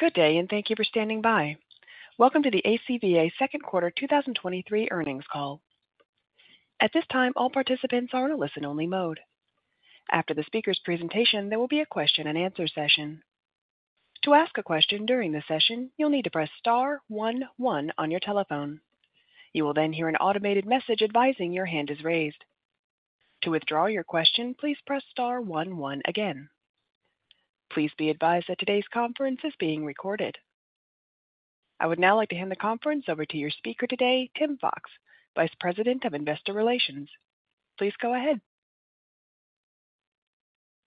Good day, and thank you for standing by. Welcome to the ACVA second quarter 2023 earnings call. At this time, all participants are in a listen-only mode. After the speaker's presentation, there will be a question-and-answer session. To ask a question during the session, you'll need to press star one one on your telephone. You will then hear an automated message advising your hand is raised. To withdraw your question, please press star one one again. Please be advised that today's conference is being recorded. I would now like to hand the conference over to your speaker today, Tim Fox, Vice President of Investor Relations. Please go ahead.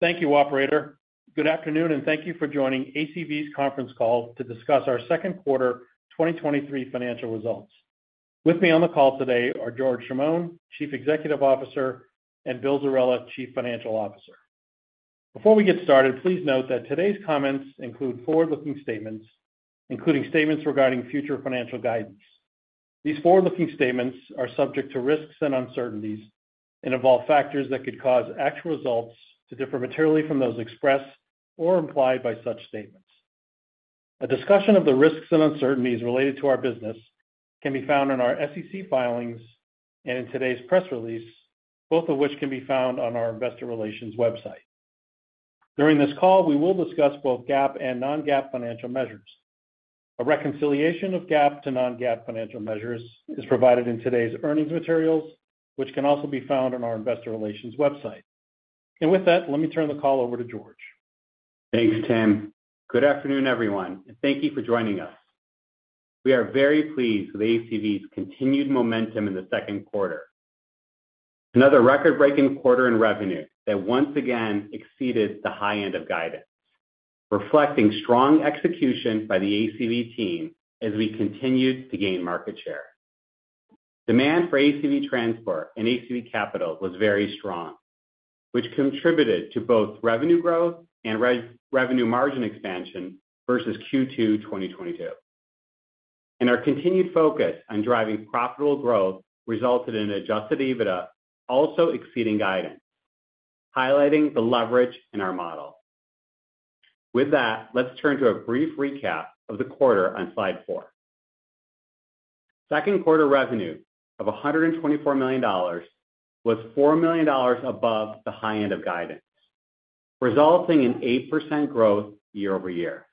Thank you, operator. Good afternoon, and thank you for joining ACV's conference call to discuss our second quarter 2023 financial results. With me on the call today are George Chamoun, Chief Executive Officer, and Bill Zerella, Chief Financial Officer. Before we get started, please note that today's comments include forward-looking statements, including statements regarding future financial guidance. These forward-looking statements are subject to risks and uncertainties and involve factors that could cause actual results to differ materially from those expressed or implied by such statements. A discussion of the risks and uncertainties related to our business can be found in our SEC filings and in today's press release, both of which can be found on our investor relations website. During this call, we will discuss both GAAP and non-GAAP financial measures. A reconciliation of GAAP to non-GAAP financial measures is provided in today's earnings materials, which can also be found on our investor relations website. With that, let me turn the call over to George. Thanks, Tim. Good afternoon, everyone, and thank you for joining us. We are very pleased with ACV's continued momentum in the second quarter. Another record-breaking quarter in revenue that once again exceeded the high end of guidance, reflecting strong execution by the ACV team as we continued to gain market share. Demand for ACV Transport and ACV Capital was very strong, which contributed to both revenue growth and re-revenue margin expansion versus Q2 2022. Our continued focus on driving profitable growth resulted in adjusted EBITDA also exceeding guidance, highlighting the leverage in our model. With that, let's turn to a brief recap of the quarter on slide four. Second quarter revenue of $124 million was $4 million above the high end of guidance, resulting in 8% growth year-over-year.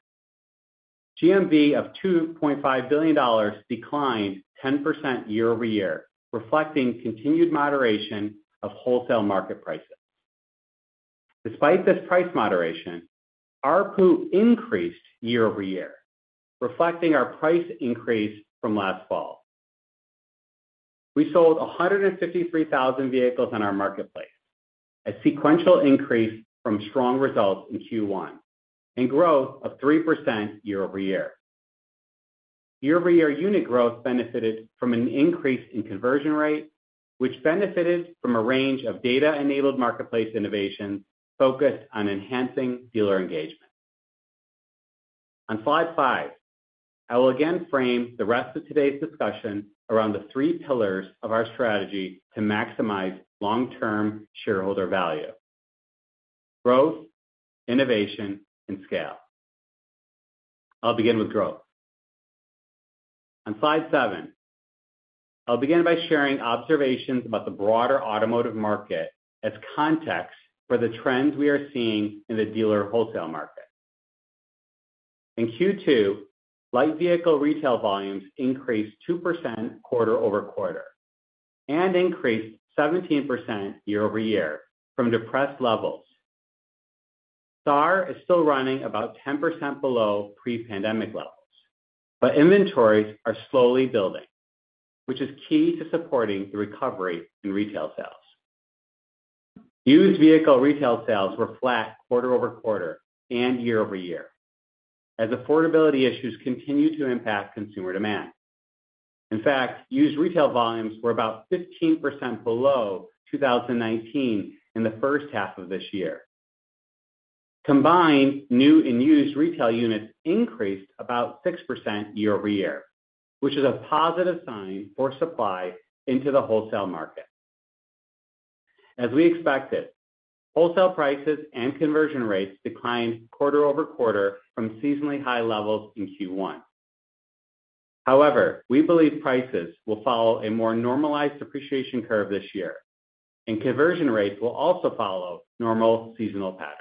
GMV of $2.5 billion declined 10% year-over-year, reflecting continued moderation of wholesale market prices. Despite this price moderation, ARPU increased year-over-year, reflecting our price increase from last fall. We sold 153,000 vehicles on our marketplace, a sequential increase from strong results in Q1 and growth of 3% year-over-year. Year-over-year unit growth benefited from an increase in conversion rate, which benefited from a range of data-enabled marketplace innovations focused on enhancing dealer engagement. On slide five, I will again frame the rest of today's discussion around the three pillars of our strategy to maximize long-term shareholder value: growth, innovation, and scale. I'll begin with growth. On slide seven, I'll begin by sharing observations about the broader automotive market as context for the trends we are seeing in the dealer wholesale market. In Q2, light vehicle retail volumes increased 2% quarter-over-quarter and increased 17% year-over-year from depressed levels. SAR is still running about 10% below pre-pandemic levels, inventories are slowly building, which is key to supporting the recovery in retail sales. Used vehicle retail sales were flat quarter-over-quarter and year-over-year, as affordability issues continue to impact consumer demand. In fact, used retail volumes were about 15% below 2019 in the first half of this year. Combined, new and used retail units increased about 6% year-over-year, which is a positive sign for supply into the wholesale market. As we expected, wholesale prices and conversion rates declined quarter-over-quarter from seasonally high levels in Q1. We believe prices will follow a more normalized depreciation curve this year, and conversion rates will also follow normal seasonal patterns.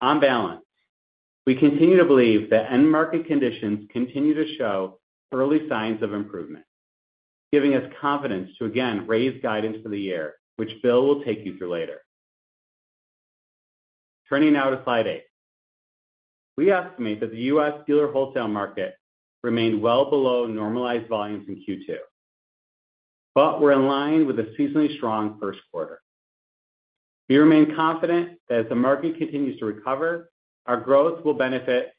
On balance, we continue to believe that end market conditions continue to show early signs of improvement, giving us confidence to again raise guidance for the year, which Bill Zerella will take you through later. Turning now to slide eight. We estimate that the U.S. dealer wholesale market remained well below normalized volumes in Q2, but were in line with a seasonally strong first quarter. We remain confident that as the market continues to recover, our growth will benefit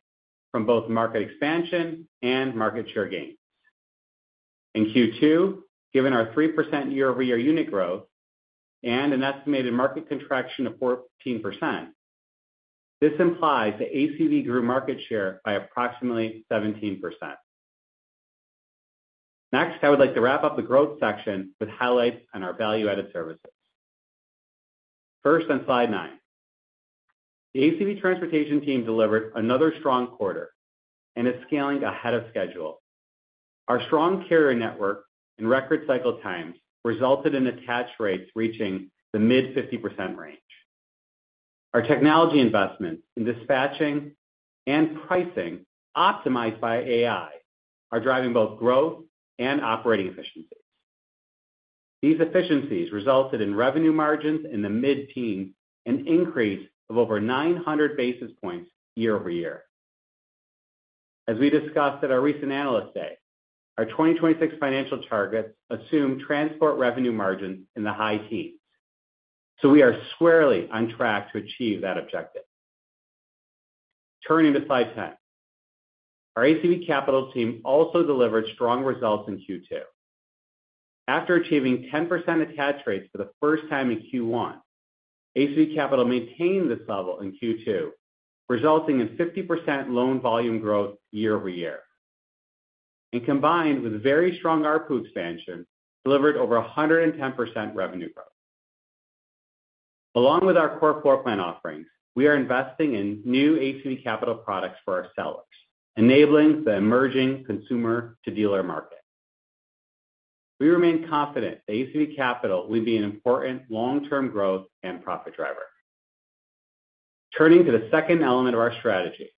from both market expansion and market share gains. In Q2, given our 3% year-over-year unit growth and an estimated market contraction of 14%, this implies that ACV grew market share by approximately 17%. I would like to wrap up the growth section with highlights on our value-added services. On slide nine, the ACV Transportation team delivered another strong quarter and is scaling ahead of schedule. Our strong carrier network and record cycle times resulted in attach rates reaching the mid-50% range. Our technology investments in dispatching and pricing, optimized by AI, are driving both growth and operating efficiencies. These efficiencies resulted in revenue margins in the mid-teens, an increase of over 900 basis points year-over-year. As we discussed at our recent Analyst Day, our 2026 financial targets assume transport revenue margins in the high teens, we are squarely on track to achieve that objective. Turning to slide 10. Our ACV Capital team also delivered strong results in Q2. After achieving 10% attach rates for the first time in Q1, ACV Capital maintained this level in Q2, resulting in 50% loan volume growth year-over-year, and combined with very strong ARPU expansion, delivered over 110% revenue growth. Along with our core floor plan offerings, we are investing in new ACV Capital products for our sellers, enabling the emerging consumer-to-dealer market. We remain confident that ACV Capital will be an important long-term growth and profit driver. Turning to the second element of our strategy,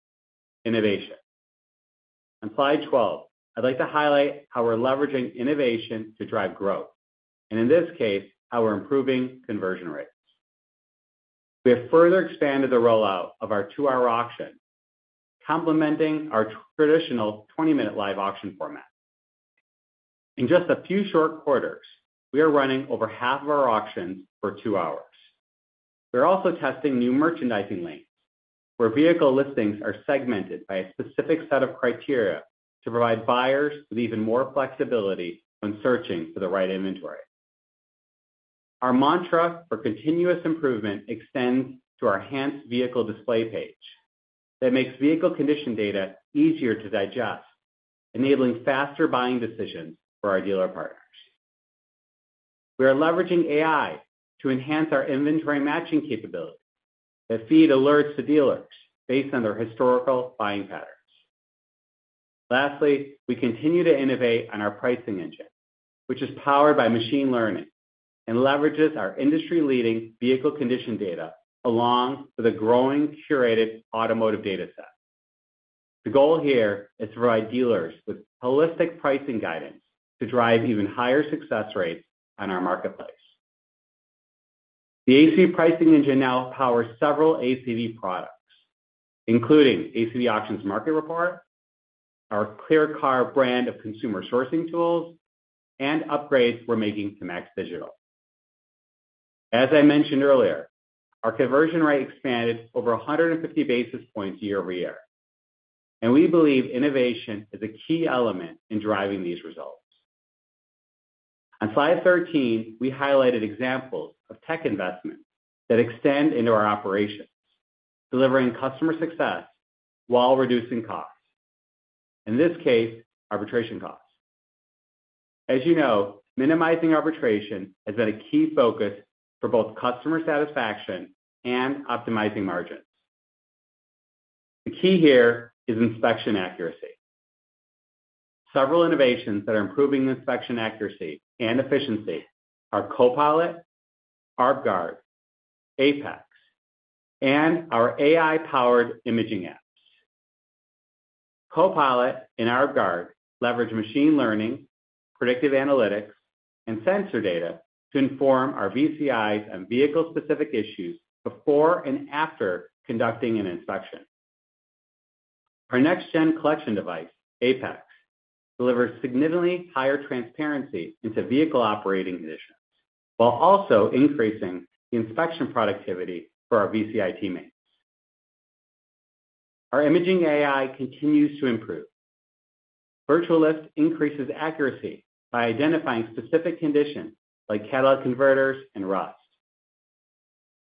innovation. On slide 12, I'd like to highlight how we're leveraging innovation to drive growth, and in this case, how we're improving conversion rates. We have further expanded the rollout of our two-hour auction, complementing our traditional 20-minute live auction format. In just a few short quarters, we are running over half of our auctions for two hours. We're also testing new merchandising lanes, where vehicle listings are segmented by a specific set of criteria to provide buyers with even more flexibility when searching for the right inventory. Our mantra for continuous improvement extends to our enhanced vehicle display page that makes vehicle condition data easier to digest, enabling faster buying decisions for our dealer partners. We are leveraging AI to enhance our inventory matching capabilities that feed alerts to dealers based on their historical buying patterns. Lastly, we continue to innovate on our pricing engine, which is powered by machine learning and leverages our industry-leading vehicle condition data along with a growing curated automotive data set. The goal here is to provide dealers with holistic pricing guidance to drive even higher success rates on our marketplace. The ACV pricing engine now powers several ACV products, including ACV Auctions Market Report, our ClearCar brand of consumer sourcing tools, and upgrades we're making to MAX Digital. As I mentioned earlier, our conversion rate expanded over 150 basis points year-over-year. We believe innovation is a key element in driving these results. On slide 13, we highlighted examples of tech investments that extend into our operations, delivering customer success while reducing costs. In this case, arbitration costs. As you know, minimizing arbitration has been a key focus for both customer satisfaction and optimizing margins. The key here is inspection accuracy. Several innovations that are improving inspection accuracy and efficiency are CoPilot, ArbGuard, APEX, and our AI-powered imaging apps. CoPilot and ArbGuard leverage machine learning, predictive analytics, and sensor data to inform our VCIs on vehicle-specific issues before and after conducting an inspection. Our next-gen collection device, APEX, delivers significantly higher transparency into vehicle operating conditions, while also increasing the inspection productivity for our VCI teammates. Our imaging AI continues to improve. Virtual Lift increases accuracy by identifying specific conditions like catalytic converters and rust.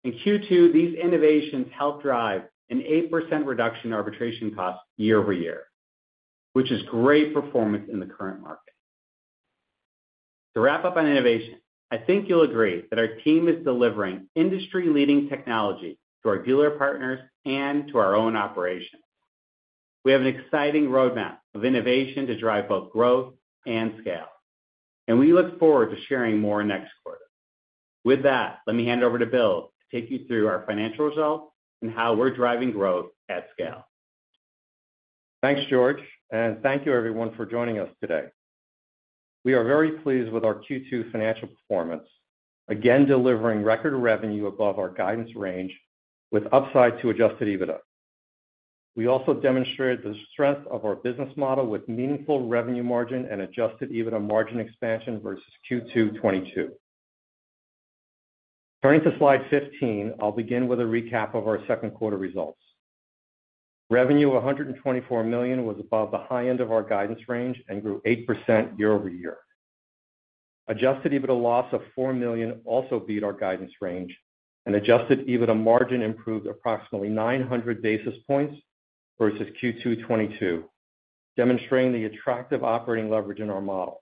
In Q2, these innovations helped drive an 8% reduction in arbitration costs year-over-year, which is great performance in the current market. To wrap up on innovation, I think you'll agree that our team is delivering industry-leading technology to our dealer partners and to our own operations. We have an exciting roadmap of innovation to drive both growth and scale, and we look forward to sharing more next quarter. With that, let me hand it over to Bill to take you through our financial results and how we're driving growth at scale. Thanks, George. Thank you everyone for joining us today. We are very pleased with our Q2 financial performance, again, delivering record revenue above our guidance range with upside to adjusted EBITDA. We also demonstrated the strength of our business model with meaningful revenue margin and adjusted EBITDA margin expansion versus Q2 2022. Turning to slide 15, I'll begin with a recap of our second quarter results. Revenue of $124 million was above the high end of our guidance range and grew 8% year-over-year. Adjusted EBITDA loss of $4 million also beat our guidance range, and adjusted EBITDA margin improved approximately 900 basis points versus Q2 2022, demonstrating the attractive operating leverage in our model.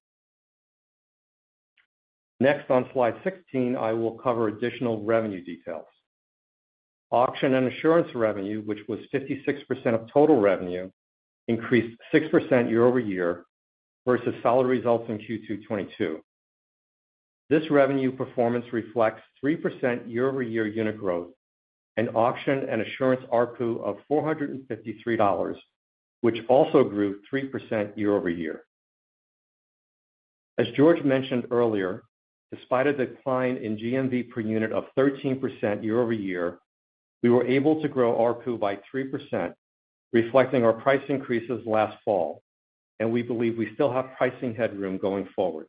Next, on slide 16, I will cover additional revenue details. Auction and assurance revenue, which was 56% of total revenue, increased 6% year-over-year versus solid results in Q2 2022. This revenue performance reflects 3% year-over-year unit growth and auction and assurance ARPU of $453, which also grew 3% year-over-year. As George mentioned earlier, despite a decline in GMV per unit of 13% year-over-year, we were able to grow ARPU by 3%, reflecting our price increases last fall, and we believe we still have pricing headroom going forward.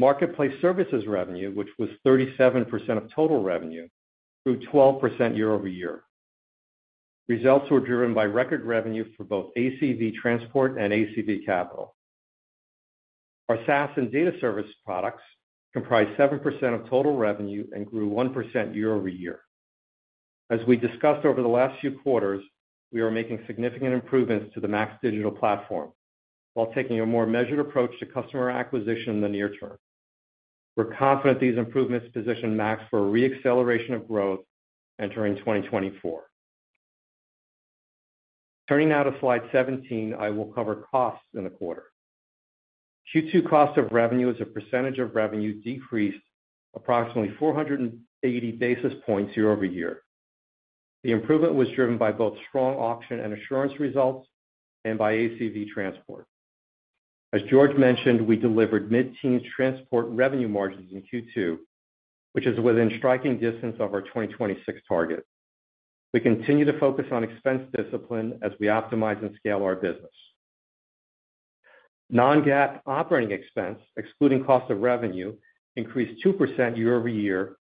Marketplace services revenue, which was 37% of total revenue, grew 12% year-over-year. Results were driven by record revenue for both ACV Transport and ACV Capital. Our SaaS and data service products comprised 7% of total revenue and grew 1% year-over-year. As we discussed over the last few quarters, we are making significant improvements to the MAX Digital platform, while taking a more measured approach to customer acquisition in the near term. We're confident these improvements position MAX for a re-acceleration of growth entering 2024. Turning now to slide 17, I will cover costs in the quarter. Q2 cost of revenue as a percentage of revenue decreased approximately 480 basis points year-over-year. The improvement was driven by both strong auction and assurance results and by ACV Transport. As George mentioned, we delivered mid-teen transport revenue margins in Q2, which is within striking distance of our 2026 target. We continue to focus on expense discipline as we optimize and scale our business. non-GAAP operating expense, excluding cost of revenue, increased 2% year-over-year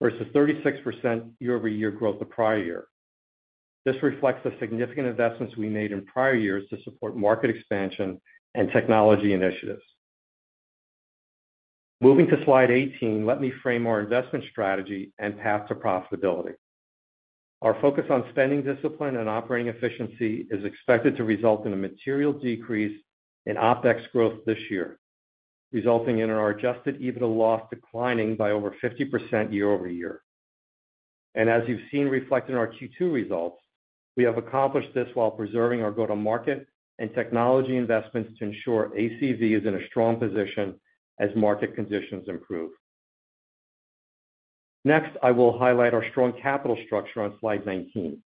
versus 36% year-over-year growth the prior year. This reflects the significant investments we made in prior years to support market expansion and technology initiatives. Moving to slide 18, let me frame our investment strategy and path to profitability. Our focus on spending discipline and operating efficiency is expected to result in a material decrease in OpEx growth this year, resulting in our adjusted EBITDA loss declining by over 50% year-over-year. As you've seen reflected in our Q2 results, we have accomplished this while preserving our go-to-market and technology investments to ensure ACV is in a strong position as market conditions improve. Next, I will highlight our strong capital structure on slide 19.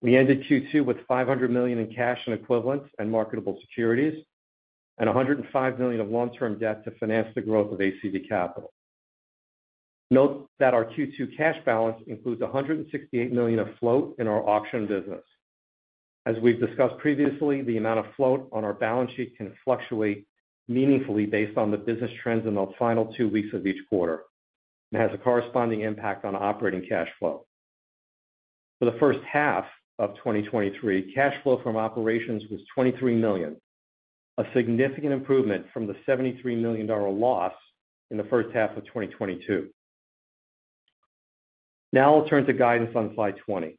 We ended Q2 with $500 million in cash and equivalents and marketable securities, and $105 million of long-term debt to finance the growth of ACV Capital. Note that our Q2 cash balance includes $168 million of float in our auction business. As we've discussed previously, the amount of float on our balance sheet can fluctuate meaningfully based on the business trends in the final two weeks of each quarter and has a corresponding impact on operating cash flow. For the first half of 2023, cash flow from operations was $23 million, a significant improvement from the $73 million loss in the first half of 2022. Now I'll turn to guidance on slide 20.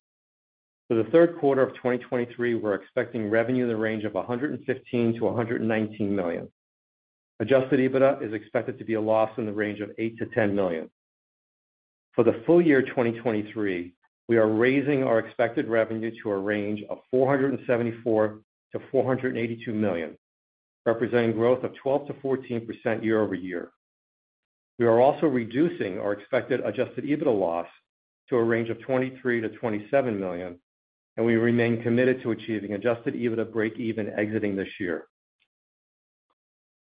For the third quarter of 2023, we're expecting revenue in the range of $115 million-$119 million. Adjusted EBITDA is expected to be a loss in the range of $8 million-$10 million. For the full year 2023, we are raising our expected revenue to a range of $474 million-$482 million, representing growth of 12%-14% year-over-year. We are also reducing our expected adjusted EBITDA loss to a range of $23 million-$27 million. We remain committed to achieving adjusted EBITDA breakeven exiting this year.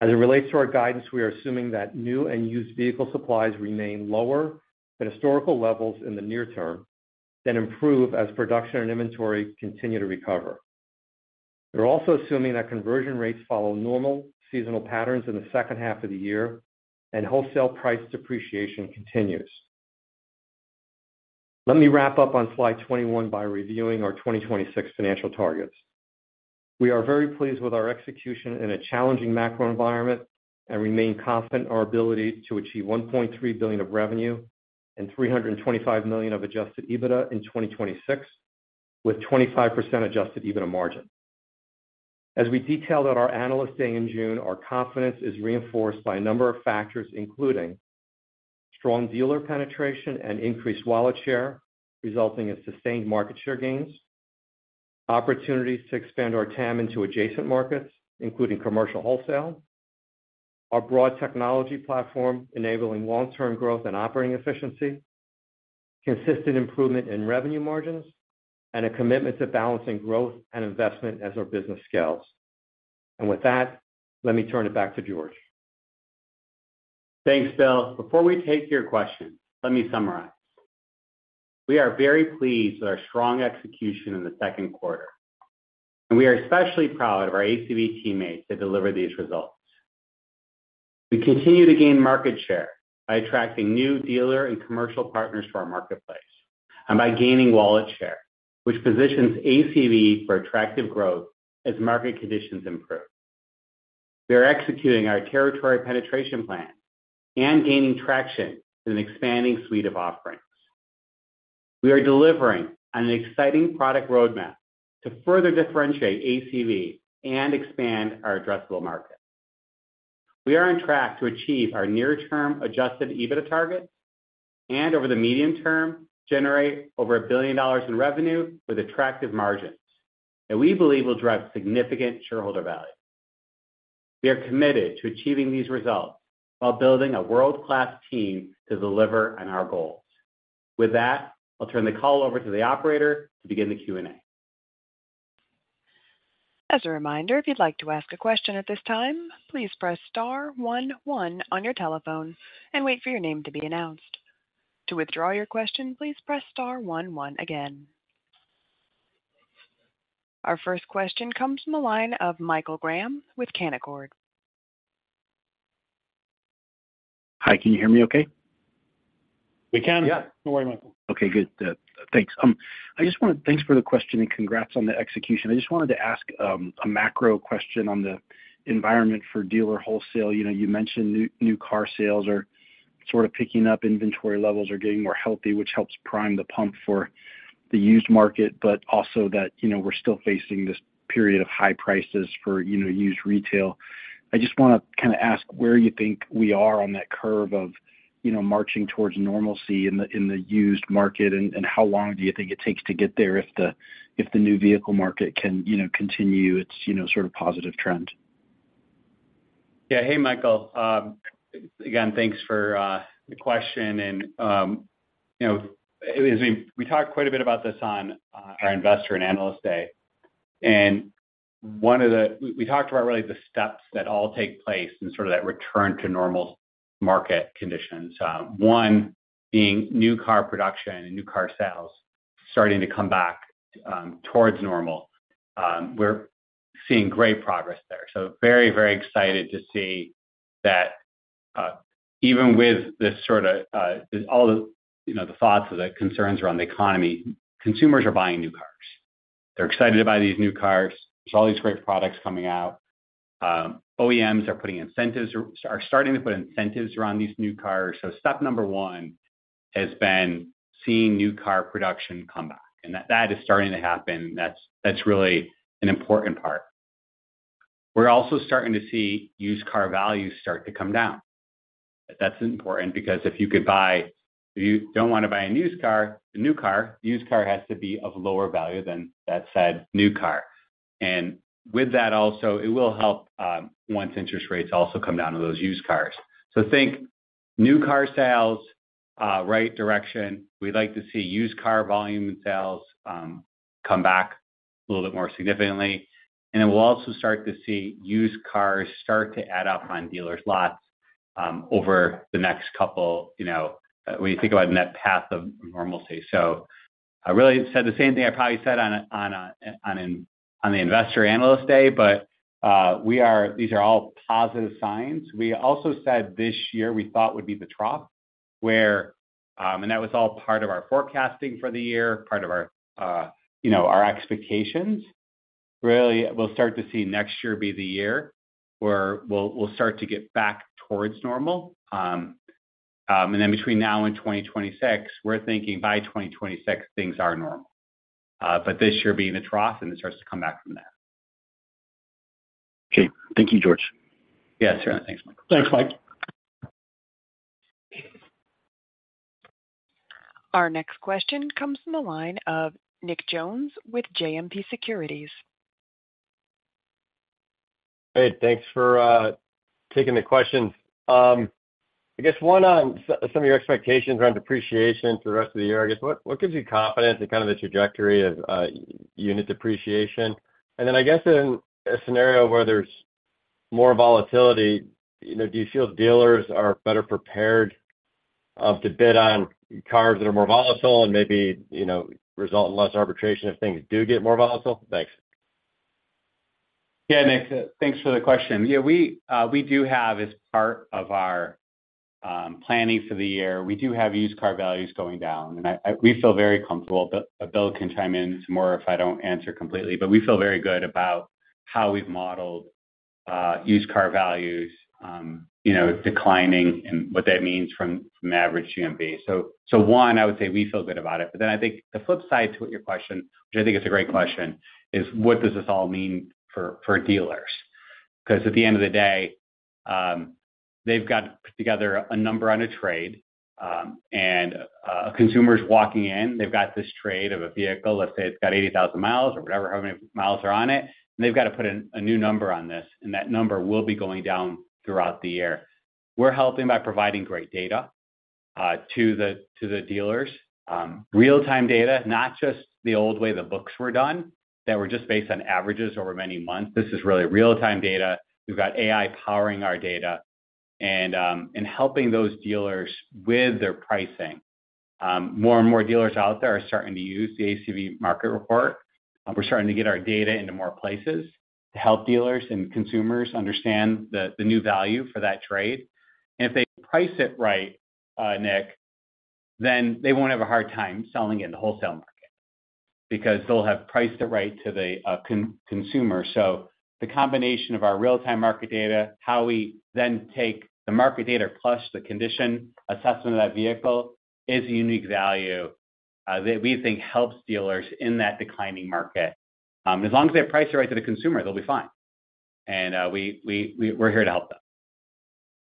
As it relates to our guidance, we are assuming that new and used vehicle supplies remain lower than historical levels in the near term than improve as production and inventory continue to recover. We're also assuming that conversion rates follow normal seasonal patterns in the second half of the year and wholesale price depreciation continues. Let me wrap up on slide 21 by reviewing our 2026 financial targets. We are very pleased with our execution in a challenging macro environment and remain confident in our ability to achieve $1.3 billion of revenue and $325 million of adjusted EBITDA in 2026, with 25% adjusted EBITDA margin. As we detailed at our Analyst Day in June, our confidence is reinforced by a number of factors, including strong dealer penetration and increased wallet share, resulting in sustained market share gains, opportunities to expand our TAM into adjacent markets, including commercial wholesale, our broad technology platform, enabling long-term growth and operating efficiency, consistent improvement in revenue margins, and a commitment to balancing growth and investment as our business scales. With that, let me turn it back to George. Thanks, Bill. Before we take your questions, let me summarize. We are very pleased with our strong execution in the second quarter, and we are especially proud of our ACV teammates that delivered these results. We continue to gain market share by attracting new dealer and commercial partners to our marketplace and by gaining wallet share, which positions ACV for attractive growth as market conditions improve. We are executing our territory penetration plan and gaining traction with an expanding suite of offerings. We are delivering on an exciting product roadmap to further differentiate ACV and expand our addressable market. We are on track to achieve our near-term adjusted EBITDA target and over the medium term, generate over $1 billion in revenue with attractive margins that we believe will drive significant shareholder value. We are committed to achieving these results while building a world-class team to deliver on our goals. With that, I'll turn the call over to the operator to begin the Q&A. As a reminder, if you'd like to ask a question at this time, please press star one one on your telephone and wait for your name to be announced. To withdraw your question, please press star one one again. Our first question comes from the line of Michael Graham with Canaccord. Hi, can you hear me okay? We can. Yeah. No worry, Michael. Okay, good. Thanks. I just want to thanks for the question and congrats on the execution. I just wanted to ask a macro question on the environment for dealer wholesale. You know, you mentioned new, new car sales are sort of picking up. Inventory levels are getting more healthy, which helps prime the pump for the used market, but also that, you know, we're still facing this period of high prices for, you know, used retail. I just want to kind of ask where you think we are on that curve of, you know, marching towards normalcy in the used market, and how long do you think it takes to get there if the new vehicle market can, you know, continue its, you know, sort of positive trend? Yeah. Hey, Michael. Again, thanks for the question and, you know, as we, we talked quite a bit about this on our Investor and Analyst Day, We, we talked about really the steps that all take place in sort of that return to normal market conditions. One being new car production and new car sales starting to come back towards normal. We're seeing great progress there. Very, very excited to see that even with this sort of all the, you know, the thoughts or the concerns around the economy, consumers are buying new cars. They're excited to buy these new cars. There's all these great products coming out. OEMs are putting incentives or are starting to put incentives around these new cars. Step number one has been seeing new car production come back, and that, that is starting to happen. That's, that's really an important part. We're also starting to see used car values start to come down. That's important because if you could buy, if you don't want to buy a used car, a new car, the used car has to be of lower value than that said new car. With that also, it will help once interest rates also come down on those used cars. Think new car sales, right direction. We'd like to see used car volume and sales come back a little bit more significantly, and then we'll also start to see used cars start to add up on dealers' lots over the next couple, you know, when you think about net path of normalcy. I really said the same thing I probably said on the Investor Analyst Day, but we are, these are all positive signs. We also said this year we thought would be the trough, where. That was all part of our forecasting for the year, part of our, you know, our expectations. Really, we'll start to see next year be the year where we'll, we'll start to get back towards normal. Between now and 2026, we're thinking by 2026, things are normal. This year being the trough, it starts to come back from that. Okay. Thank you, George. Yeah, sure. Thanks, Michael. Thanks, Mike. Our next question comes from the line of Nick Jones with JMP Securities. Hey, thanks for taking the questions. I guess one, on some, some of your expectations around depreciation for the rest of the year, I guess, what, what gives you confidence in kind of the trajectory of unit depreciation? Then I guess in a scenario where there's more volatility, you know, do you feel dealers are better prepared to bid on cars that are more volatile and maybe, you know, result in less arbitration if things do get more volatile? Thanks. Yeah, Nick, thanks for the question. Yeah, we do have, as part of our planning for the year, we do have used car values going down, and I, I - we feel very comfortable. Bill, Bill can chime in more if I don't answer completely, but we feel very good about how we've modeled used car values, you know, declining and what that means from, from average GMV. One, I would say we feel good about it, but then I think the flip side to your question, which I think is a great question, is what does this all mean for, for dealers? At the end of the day, they've got to put together a number on a trade, and a consumer's walking in, they've got this trade of a vehicle. Let's say it's got 80,000 miles or whatever, however many miles are on it, and they've got to put a, a new number on this, and that number will be going down throughout the year. We're helping by providing great data to the, to the dealers. Real-time data, not just the old way the books were done, that were just based on averages over many months. This is really real-time data. We've got AI powering our data and helping those dealers with their pricing. More and more dealers out there are starting to use the ACV Market Report. We're starting to get our data into more places to help dealers and consumers understand the, the new value for that trade. If they price it right, Nick, then they won't have a hard time selling it in the wholesale market because they'll have priced it right to the consumer. The combination of our real-time market data, how we then take the market data plus the condition assessment of that vehicle, is a unique value that we think helps dealers in that declining market. As long as they price it right to the consumer, they'll be fine, and we, we, we're here to help them.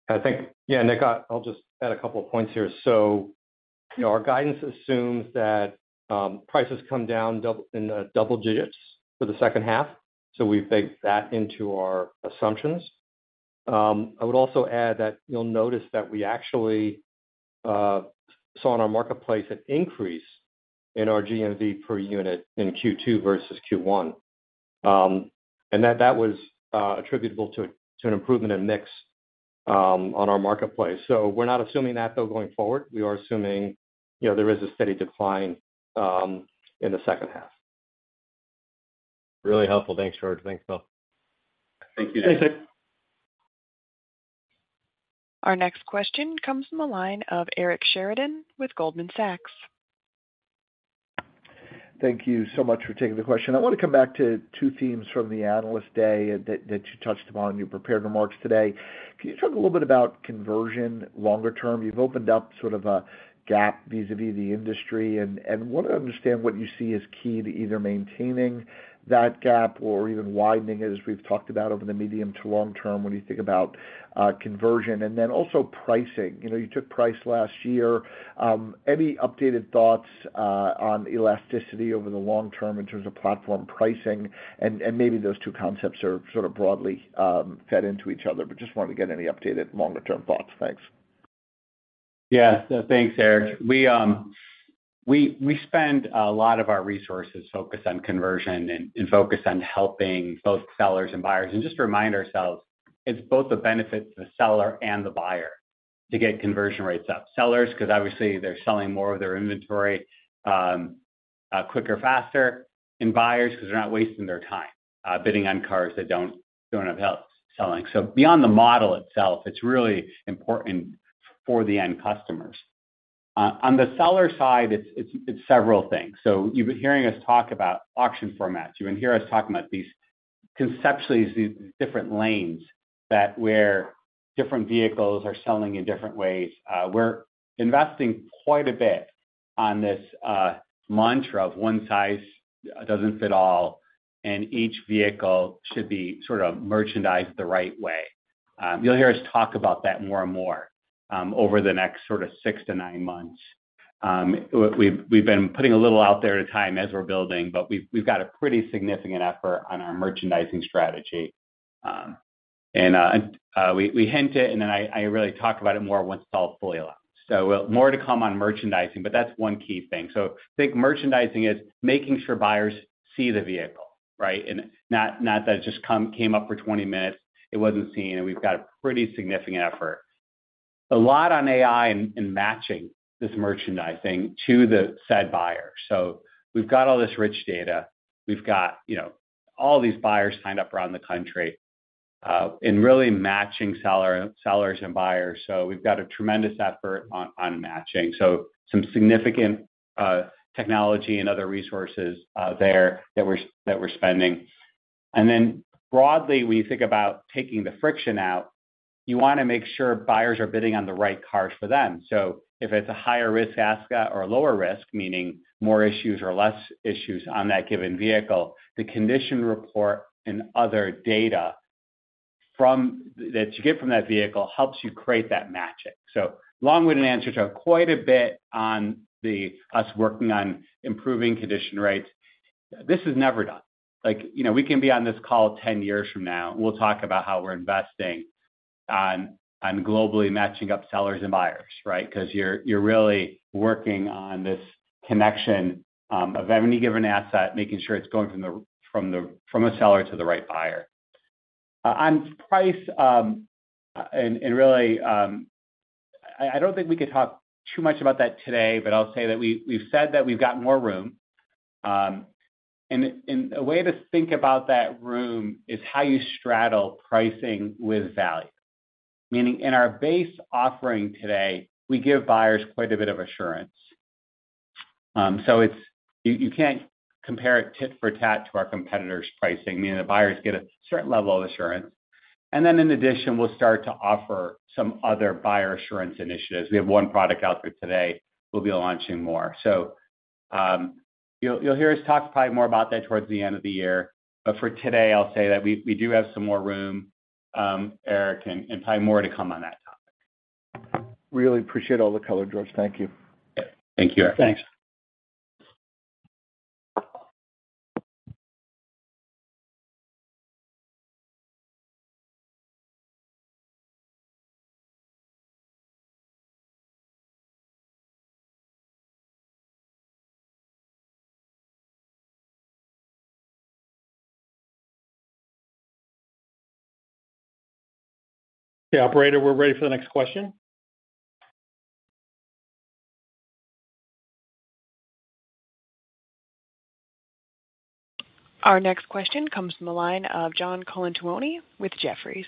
I think, yeah, Nick, I, I'll just add a couple of points here. You know, our guidance assumes that prices come down in double digits for the second half, so we baked that into our assumptions. I would also add that you'll notice that we actually saw in our marketplace an increase in our GMV per unit in Q2 versus Q1. That, that was attributable to an improvement in mix on our marketplace. We're not assuming that, though, going forward. We are assuming, you know, there is a steady decline in the second half. Really helpful. Thanks, George. Thanks, Bill. Thank you. Thanks, Nick. Our next question comes from the line of Eric Sheridan with Goldman Sachs. Thank you so much for taking the question. I want to come back to two themes from the Analyst Day that, that you touched upon in your prepared remarks today. Can you talk a little bit about conversion longer term? You've opened up sort of a gap vis-à-vis the industry, and, and want to understand what you see as key to either maintaining that gap or even widening it, as we've talked about over the medium to long term, when you think about conversion. Also pricing. You know, you took price last year. Any updated thoughts on elasticity over the long term in terms of platform pricing? Maybe those two concepts are sort of broadly fed into each other, but just wanted to get any updated longer-term thoughts. Thanks. Yeah. Thanks, Eric. We, we spend a lot of our resources focused on conversion and, and focused on helping both sellers and buyers. Just to remind ourselves, it's both a benefit to the seller and the buyer to get conversion rates up. Sellers, because obviously they're selling more of their inventory, quicker, faster, and buyers because they're not wasting their time, bidding on cars that don't, don't end up selling. Beyond the model itself, it's really important for the end customers. On the seller side, it's, it's, it's several things. You've been hearing us talk about auction formats. You're going to hear us talk about these, conceptually, these different lanes that where different vehicles are selling in different ways. We're investing quite a bit on this mantra of one size doesn't fit all. Each vehicle should be sort of merchandised the right way. You'll hear us talk about that more and more over the next sort of 6 to 9 months. We've been putting a little out there at a time as we're building, but we've got a pretty significant effort on our merchandising strategy. We hint it. I really talk about it more once it's all fully allowed. More to come on merchandising, but that's one key thing. Think merchandising is making sure buyers see the vehicle, right? Not that it just came up for 20 minutes, it wasn't seen. We've got a pretty significant effort. A lot on AI and matching this merchandising to the said buyer. We've got all this rich data. We've got, you know, all these buyers signed up around the country, and really matching seller, sellers and buyers. We've got a tremendous effort on matching. Some significant technology and other resources there that we're spending. Then broadly, we think about taking the friction out. You wanna make sure buyers are bidding on the right cars for them. If it's a higher risk ASCA or a lower risk, meaning more issues or less issues on that given vehicle, the condition report and other data that you get from that vehicle helps you create that matching. Long-winded answer to quite a bit on the, us working on improving conversion rates. This is never done. Like, you know, we can be on this call 10 years from now, and we'll talk about how we're investing on, on globally matching up sellers and buyers, right? You're, you're really working on this connection, of any given asset, making sure it's going from the, from a seller to the right buyer. On price. Really, I, I don't think we could talk too much about that today, but I'll say that we, we've said that we've got more room. A way to think about that room is how you straddle pricing with value. Meaning in our base offering today, we give buyers quite a bit of assurance. You can't compare it tit for tat to our competitors' pricing, meaning the buyers get a certain level of assurance. Then in addition, we'll start to offer some other buyer assurance initiatives. We have one product out there today; we'll be launching more. You'll, you'll hear us talk probably more about that towards the end of the year. For today, I'll say that we, we do have some more room, Eric, and, and probably more to come on that topic. Really appreciate all the color, George. Thank you. Thank you, Eric. Thanks. Yeah, operator, we're ready for the next question. Our next question comes from the line of John Colantuoni with Jefferies.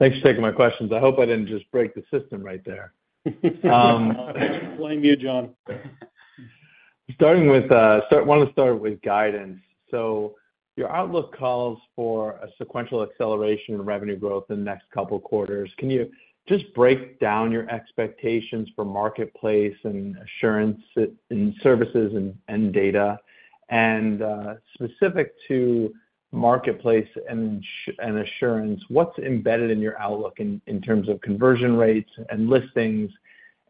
Thanks for taking my questions. I hope I didn't just break the system right there. We blame you, John. Starting with, I want to start with guidance. Your outlook calls for a sequential acceleration in revenue growth in the next two quarters. Can you just break down your expectations for marketplace and assurance in services and data? Specific to marketplace and assurance, what's embedded in your outlook in terms of conversion rates and listings,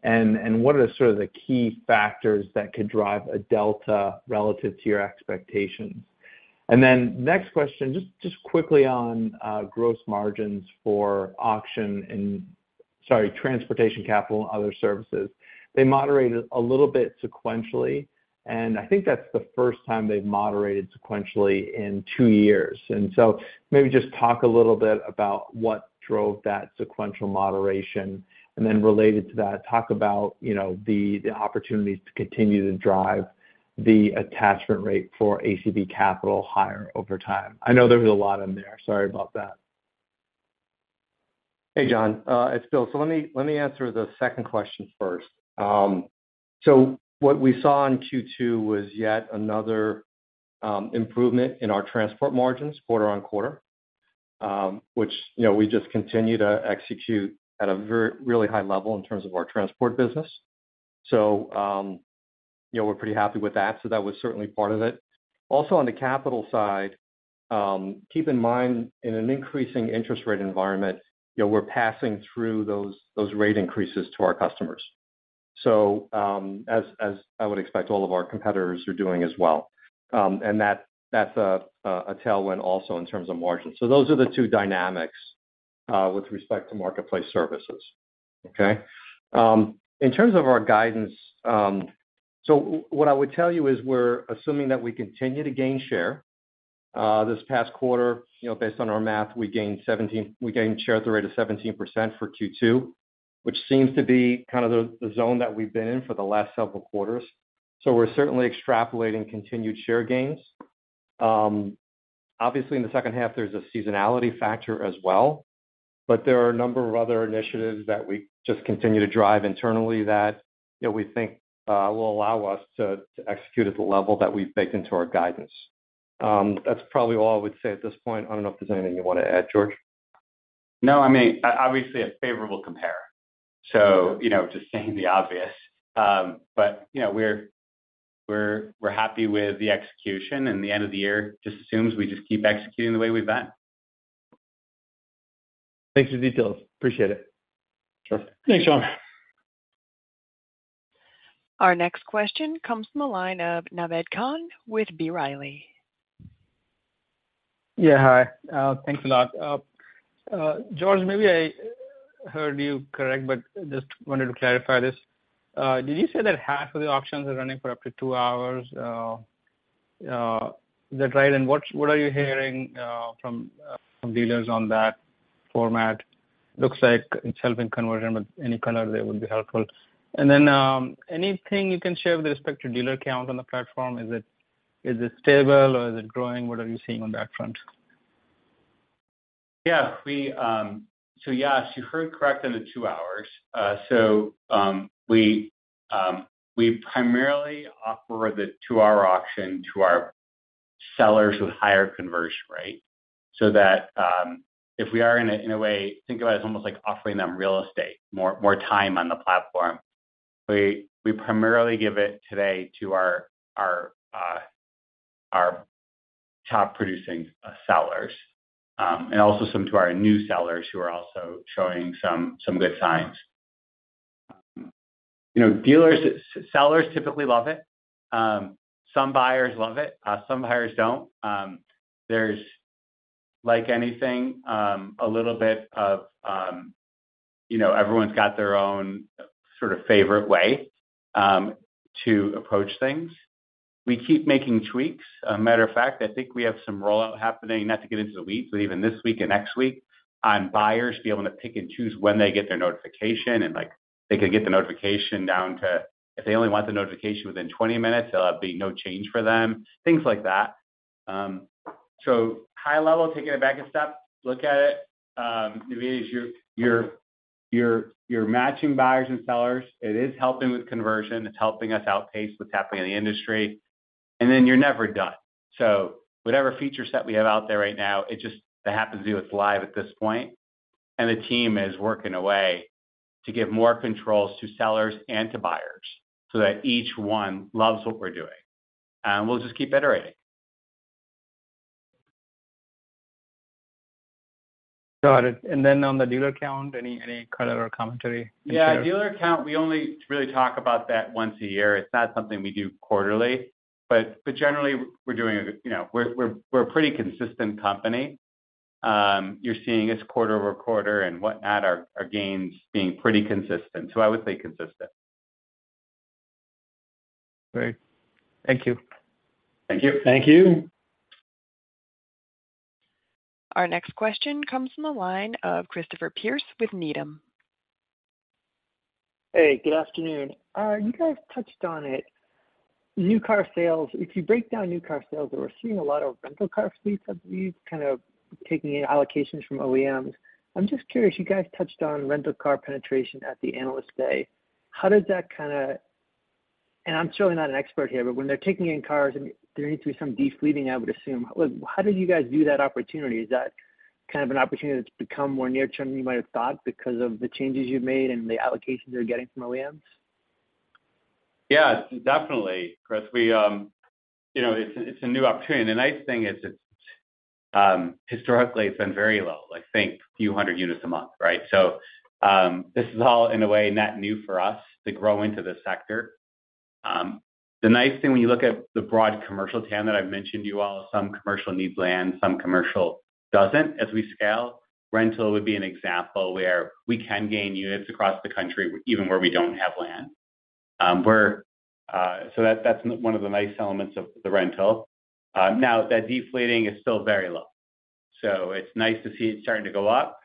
and what are sort of the key factors that could drive a delta relative to your expectations? Next question, just quickly on gross margins for auction and, sorry, transportation capital and other services. They moderated a little bit sequentially, and I think that's the first time they've moderated sequentially in two years. Maybe just talk a little bit about what drove that sequential moderation, and then related to that, talk about, you know, the opportunities to continue to drive the attachment rate for ACV Capital higher over time. I know there was a lot in there. Sorry about that. Hey, John, it's Bill. Let me, let me answer the second question first. What we saw in Q2 was yet another improvement in our transport margins quarter-on-quarter, which, you know, we just continue to execute at a really high level in terms of our transport business. You know, we're pretty happy with that. That was certainly part of it. Also, on the capital side, keep in mind, in an increasing interest rate environment, you know, we're passing through those, those rate increases to our customers. As, as I would expect all of our competitors are doing as well. And that, that's a, a tailwind also in terms of margins. Those are the two dynamics with respect to marketplace services. Okay? In terms of our guidance, what I would tell you is we're assuming that we continue to gain share. This past quarter, you know, based on our math, we gained share at the rate of 17% for Q2, which seems to be kind of the, the zone that we've been in for the last several quarters. We're certainly extrapolating continued share gains. Obviously, in the second half, there's a seasonality factor as well, but there are a number of other initiatives that we just continue to drive internally that, you know, we think, will allow us to, to execute at the level that we've baked into our guidance. That's probably all I would say at this point. I don't know if there's anything you want to add, George. No, I mean, obviously a favorable compare. You know, just saying the obvious. You know, we're, we're, we're happy with the execution, and the end of the year just assumes we just keep executing the way we've been. Thanks for the details. Appreciate it. Sure. Thanks, John. Our next question comes from the line of Naved Khan with B. Riley. Yeah, hi. Thanks a lot. George, maybe I heard you correct, but just wanted to clarify this. Did you say that half of the auctions are running for up to two hours? Is that right? What, what are you hearing from dealers on that format? Looks like it's helping conversion, but any color there would be helpful. Then, anything you can share with respect to dealer count on the platform, is it, is it stable or is it growing? What are you seeing on that front? Yeah, we... yes, you heard correct on the two hours. we primarily offer the two-hour auction to our sellers with higher conversion rate, so that, if we are in a, in a way, think about it as almost like offering them real estate, more, more time on the platform. We primarily give it today to our, our, our top-producing sellers, and also some to our new sellers who are also showing some, some good signs. You know, dealers, sellers typically love it. Some buyers love it, some buyers don't. There's, like anything, a little bit of, you know, everyone's got their own sort of favorite way to approach things. We keep making tweaks. As a matter of fact, I think we have some rollout happening, not to get into the weeds, but even this week and next week on buyers being able to pick and choose when they get their notification, and, like, they could get the notification down to if they only want the notification within 20 minutes, there'll be no change for them, things like that. High level, taking it back a step, look at it. Maybe as you're matching buyers and sellers. It is helping with conversion. It's helping us outpace what's happening in the industry, and then you're never done. Whatever feature set we have out there right now, it just that happens to be what's live at this point, and the team is working away to give more controls to sellers and to buyers so that each one loves what we're doing, and we'll just keep iterating. Got it. Then on the dealer count, any, any color or commentary? Yeah, dealer count, we only really talk about that once a year. It's not something we do quarterly, but generally, we're doing a good, you know, we're, we're, we're a pretty consistent company. You're seeing us quarter-over-quarter and whatnot, our, our gains being pretty consistent, I would say consistent. Great. Thank you. Thank you. Thank you. Our next question comes from the line of Christopher Pierce with Needham. Hey, good afternoon. You guys touched on it, new car sales. If you break down new car sales, and we're seeing a lot of rental car fleets, have you kind of taking in allocations from OEMs? I'm just curious, you guys touched on rental car penetration at the Analyst Day. How does that kind of. I'm certainly not an expert here, but when they're taking in cars and there needs to be some defleeting, I would assume. Like, how did you guys view that opportunity? Is that kind of an opportunity that's become more near-term than you might have thought because of the changes you've made and the allocations you're getting from OEMs? Yeah, definitely, Chris. We, you know, it's, it's a new opportunity. The nice thing is it's, historically, it's been very low, like think few hundred units a month, right? This is all in a way, net new for us to grow into this sector. The nice thing when you look at the broad commercial TAM that I've mentioned to you all, some commercial needs land, some commercial doesn't. As we scale, rental would be an example where we can gain units across the country, even where we don't have land. We're, that's one of the nice elements of the rental. Now, that defleeting is still very low, it's nice to see it starting to go up.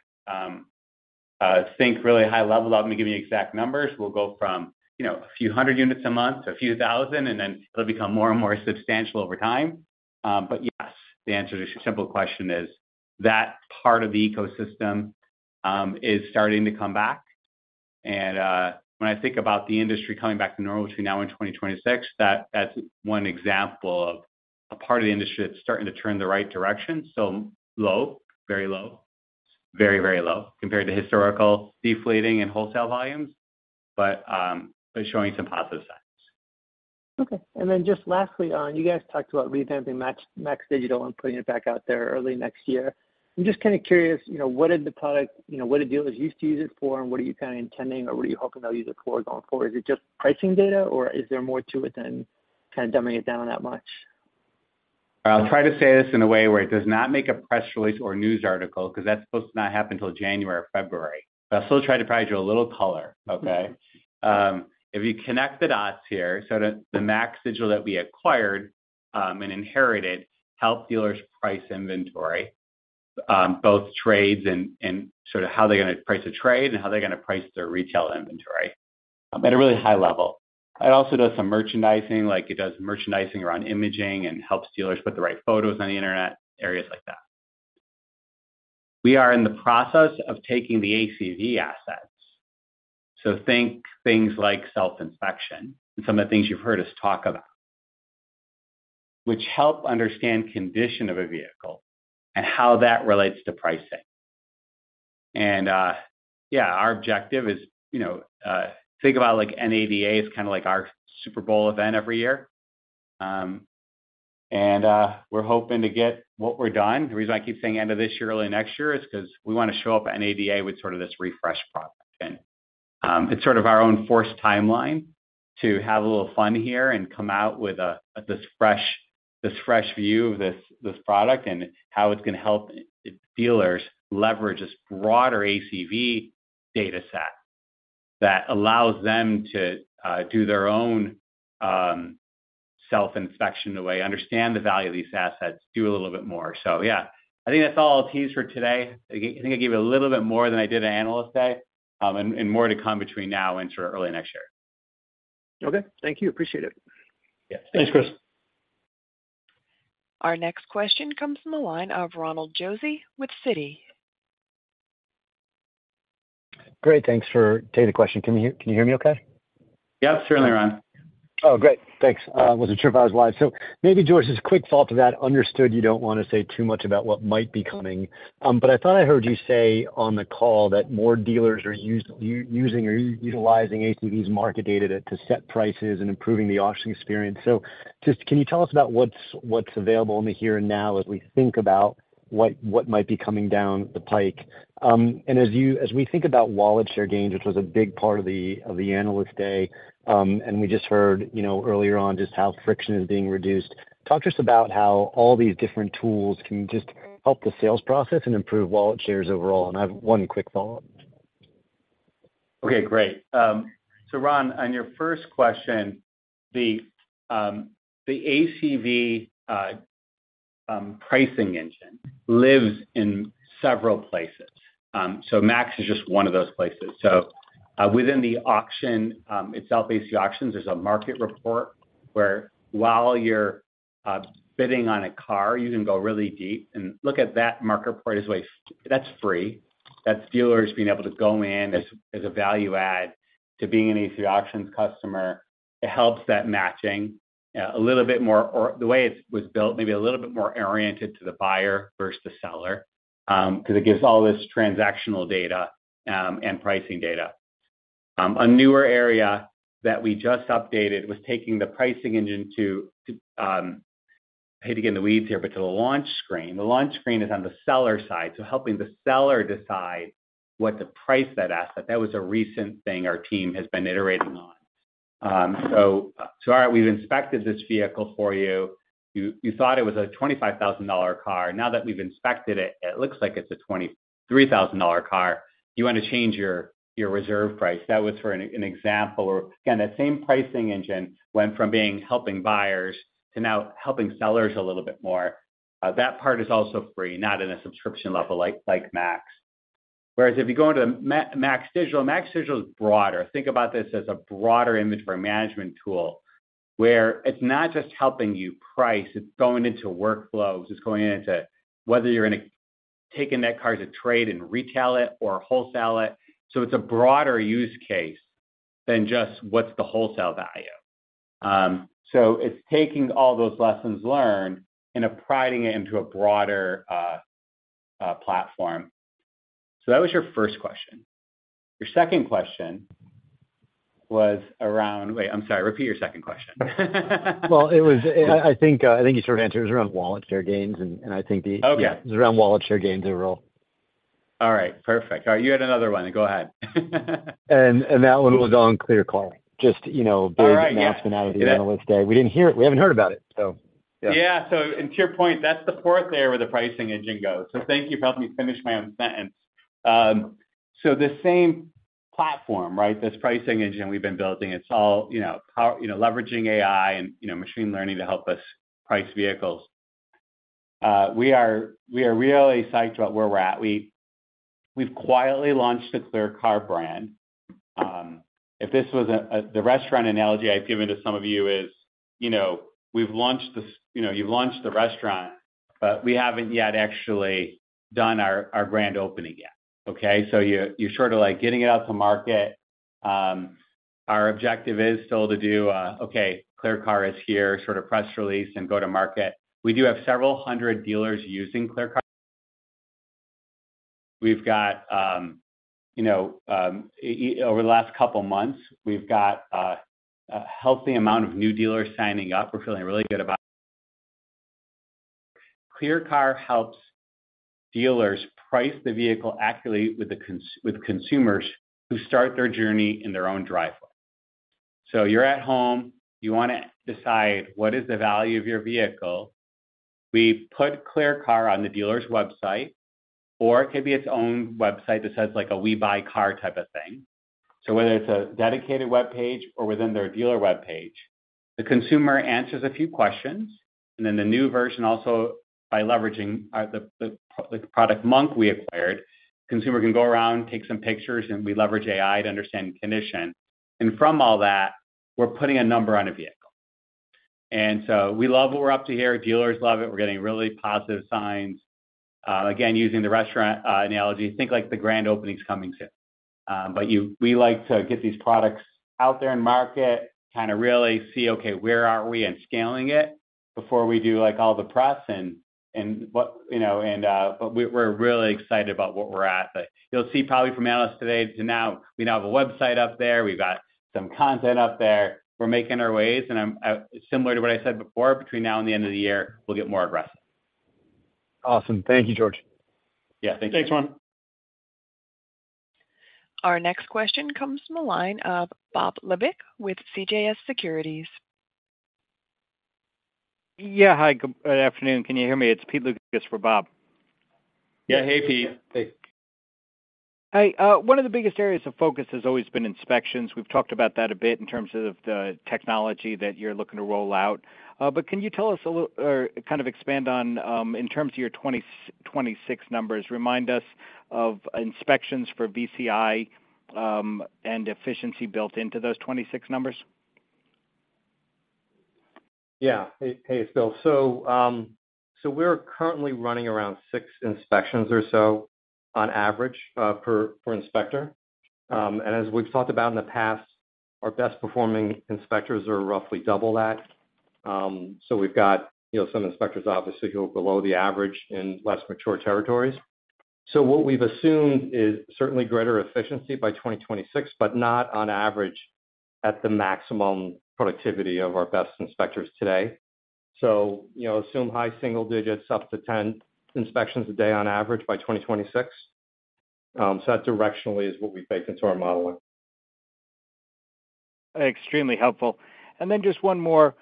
Think really high level, not going to give you exact numbers. We'll go from, you know, a few hundred units a month to a few thousand, and then it'll become more and more substantial over time. But yes, the answer to your simple question is that part of the ecosystem is starting to come back. When I think about the industry coming back to normal between now and 2026, that's one example of a part of the industry that's starting to turn in the right direction. Low, very low. Very, very low compared to historical defleeting and wholesale volumes, but showing some positive signs. Okay. Then just lastly, you guys talked about revamping MAX Digital and putting it back out there early next year. I'm just kind of curious, you know, what did the product, you know, what did dealers used to use it for, and what are you kind of intending or what are you hoping they'll use it for going forward? Is it just pricing data, or is there more to it than kind of dumbing it down that much? I'll try to say this in a way where it does not make a press release or news article, because that's supposed to not happen until January or February. I'll still try to provide you a little color, okay? Mm-hmm. If you connect the dots here, the MAX Digital that we acquired and inherited, helped dealers price inventory, both trades and, and sort of how they're going to price a trade and how they're going to price their retail inventory at a really high level. It also does some merchandising, like it does merchandising around imaging and helps dealers put the right photos on the internet, areas like that. We are in the process of taking the ACV assets, so think things like self-inspection and some of the things you've heard us talk about, which help understand condition of a vehicle and how that relates to pricing. Yeah, our objective is, you know, think about like NADA is kind of like our Super Bowl event every year. We're hoping to get what we're done. The reason I keep saying end of this year, early next year, is because we want to show up at NADA with sort of this refreshed product. It's sort of our own forced timeline to have a little fun here and come out with this fresh, this fresh view of this, this product and how it's going to help dealers leverage this broader ACV data set that allows them to do their own self-inspection in a way, understand the value of these assets, do a little bit more. Yeah, I think that's all I'll tease for today. I think I gave it a little bit more than I did at Analyst Day, and more to come between now and sort of early next year. Okay. Thank you. Appreciate it. Yeah. Thanks, Chris. Our next question comes from the line of Ronald Josey with Citi. Great. Thanks for taking the question. Can you hear me okay? Yes, certainly, Ron. Oh, great. Thanks. wasn't sure if I was live. Maybe, George, just quick thought to that. Understood you don't want to say too much about what might be coming, but I thought I heard you say on the call that more dealers are using or utilizing ACV's market data to, to set prices and improving the auction experience. Just can you tell us about what's, what's available in the here and now as we think about what, what might be coming down the pike? And as we think about wallet share gains, which was a big part of the, of the Analyst Day, and we just heard, you know, earlier on just how friction is being reduced. Talk to us about how all these different tools can just help the sales process and improve wallet shares overall. I have one quick follow-up. Okay, great. Ron, on your first question, the, the ACV pricing engine lives in several places. MAX is just one of those places. Within the auction itself, ACV Auctions, there's a Market Report where while you're bidding on a car, you can go really deep and look at that ACV Auctions Market Report as a way. That's free. That's dealers being able to go in as, as a value add to being an ACV Auctions customer. It helps that matching a little bit more, or the way it was built, maybe a little bit more oriented to the buyer versus the seller, because it gives all this transactional data and pricing data. A newer area that we just updated was taking the pricing engine to, to, I hate to get in the weeds here, but to the launch screen. The launch screen is on the seller side, so helping the seller decide what to price that asset. That was a recent thing our team has been iterating on. All right, we've inspected this vehicle for you. You, you thought it was a $25,000 car. Now that we've inspected it, it looks like it's a $23,000 car. You wanna change your, your reserve price. That was for an, an example, where, again, that same pricing engine went from being helping buyers to now helping sellers a little bit more. That part is also free, not in a subscription level, like, like MAX. Whereas if you go into MAX Digital, MAX Digital is broader. Think about this as a broader inventory management tool, where it's not just helping you price, it's going into workflows. It's going into whether you're gonna take in that car to trade and retail it or wholesale it. It's a broader use case than just what's the wholesale value. It's taking all those lessons learned and applying it into a broader platform. That was your first question. Your second question was around, wait, I'm sorry. Repeat your second question. Well, it was, I, I think, I think you sort of answered. It was around wallet share gains, and I think the- Okay. It was around wallet share gains overall. All right, perfect. All right, you had another one. Go ahead. That one was on ClearCar, just, you know- All right, yeah.... big announcement out of the Analyst Day. We didn't hear it, we haven't heard about it, yeah. To your point, that's the fourth area where the pricing engine goes. Thank you for helping me finish my own sentence. The same platform, right, this pricing engine we've been building, it's all, you know, power. You know, leveraging AI and, you know, machine learning to help us price vehicles. We are, we are really psyched about where we're at. We, we've quietly launched the ClearCar brand. If this was a the restaurant analogy I've given to some of you is, you know, we've launched this, you know, you've launched the restaurant, but we haven't yet actually done our, our grand opening yet, okay? You're, you're sort of, like, getting it out to market. Our objective is still to do, okay, ClearCar is here, sort of, press release and go to market. We do have several hundred dealers using ClearCar. We've got, you know, over the last couple months, we've got a healthy amount of new dealers signing up. We're feeling really good about. ClearCar helps dealers price the vehicle accurately with consumers who start their journey in their own driveway. You're at home, you wanna decide what is the value of your vehicle. We put ClearCar on the dealer's website, or it could be its own website that says, like, a we buy car type of thing. Whether it's a dedicated web page or within their dealer web page, the consumer answers a few questions, and then the new version also, by leveraging the product Monk we acquired, consumer can go around, take some pictures, and we leverage AI to understand the condition. From all that, we're putting a number on a vehicle. We love what we're up to here. Dealers love it. We're getting really positive signs. Again, using the restaurant analogy, think like the grand opening is coming soon. We like to get these products out there in market, kinda really see, okay, where are we in scaling it before we do, like, all the press and, and what, you know. We're really excited about what we're at. You'll see probably from Analyst Today to now, we now have a website up there. We've got some content up there. We're making our ways, and I'm similar to what I said before, between now and the end of the year, we'll get more aggressive. Awesome. Thank you, George. Yeah, thank you. Thanks, Ron. Our next question comes from the line of Bob Labick with CJS Securities. Yeah. Hi, good afternoon. Can you hear me? It's Pete Lucas for Bob. Yeah. Hey, Pete. Hey. Hi. One of the biggest areas of focus has always been inspections. We've talked about that a bit in terms of the technology that you're looking to roll out. Can you tell us a little or kind of expand on, in terms of your 2026 numbers, remind us of inspections for VCI, and efficiency built into those 2026 numbers? Yeah. Hey, hey, Pete. We're currently running around six inspections or so on average, per inspector. As we've talked about in the past, our best performing inspectors are roughly double that. We've got, you know, some inspectors obviously go below the average in less mature territories. What we've assumed is certainly greater efficiency by 2026, but not on average, at the maximum productivity of our best inspectors today. You know, assume high single digits, up to 10 inspections a day on average by 2026. That directionally is what we baked into our modeling. Extremely helpful. Just one more.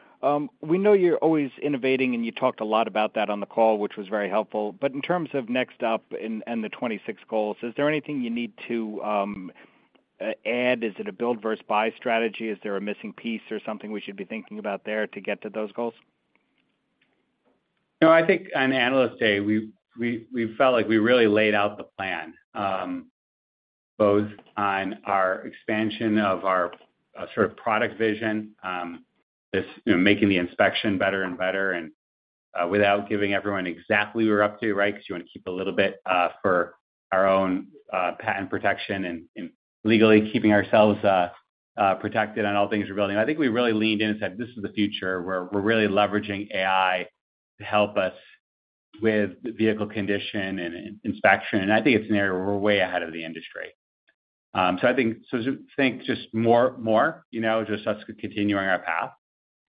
We know you're always innovating, and you talked a lot about that on the call, which was very helpful. In terms of next up and, and the 2026 goals, is there anything you need to add? Is it a build versus buy strategy? Is there a missing piece or something we should be thinking about there to get to those goals? No, I think on Analyst Day, we, we, we felt like we really laid out the plan, both on our expansion of our sort of product vision, this, you know, making the inspection better and better, and without giving everyone exactly we're up to, right? Because you wanna keep a little bit for our own patent protection and, and legally keeping ourselves protected on all things we're building. I think we really leaned in and said, "This is the future, where we're really leveraging AI to help us with the vehicle condition and in- inspection." I think it's an area where we're way ahead of the industry. I think, so I think just more, more, you know, just us continuing our path.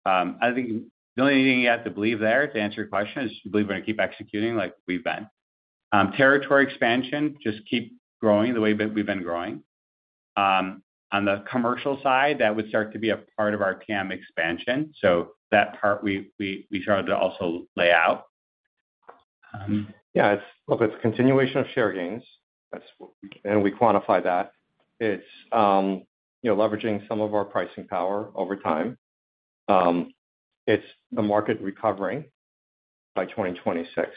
I think the only thing you have to believe there, to answer your question, is just believe we're gonna keep executing like we've been. Territory expansion, just keep growing the way we've been growing. On the commercial side, that would start to be a part of our PM expansion. That part we, we, we tried to also lay out. Yeah, it's, look, it's continuation of share gains. That's what-- we quantify that. It's, you know, leveraging some of our pricing power over time. It's the market recovering by 2026.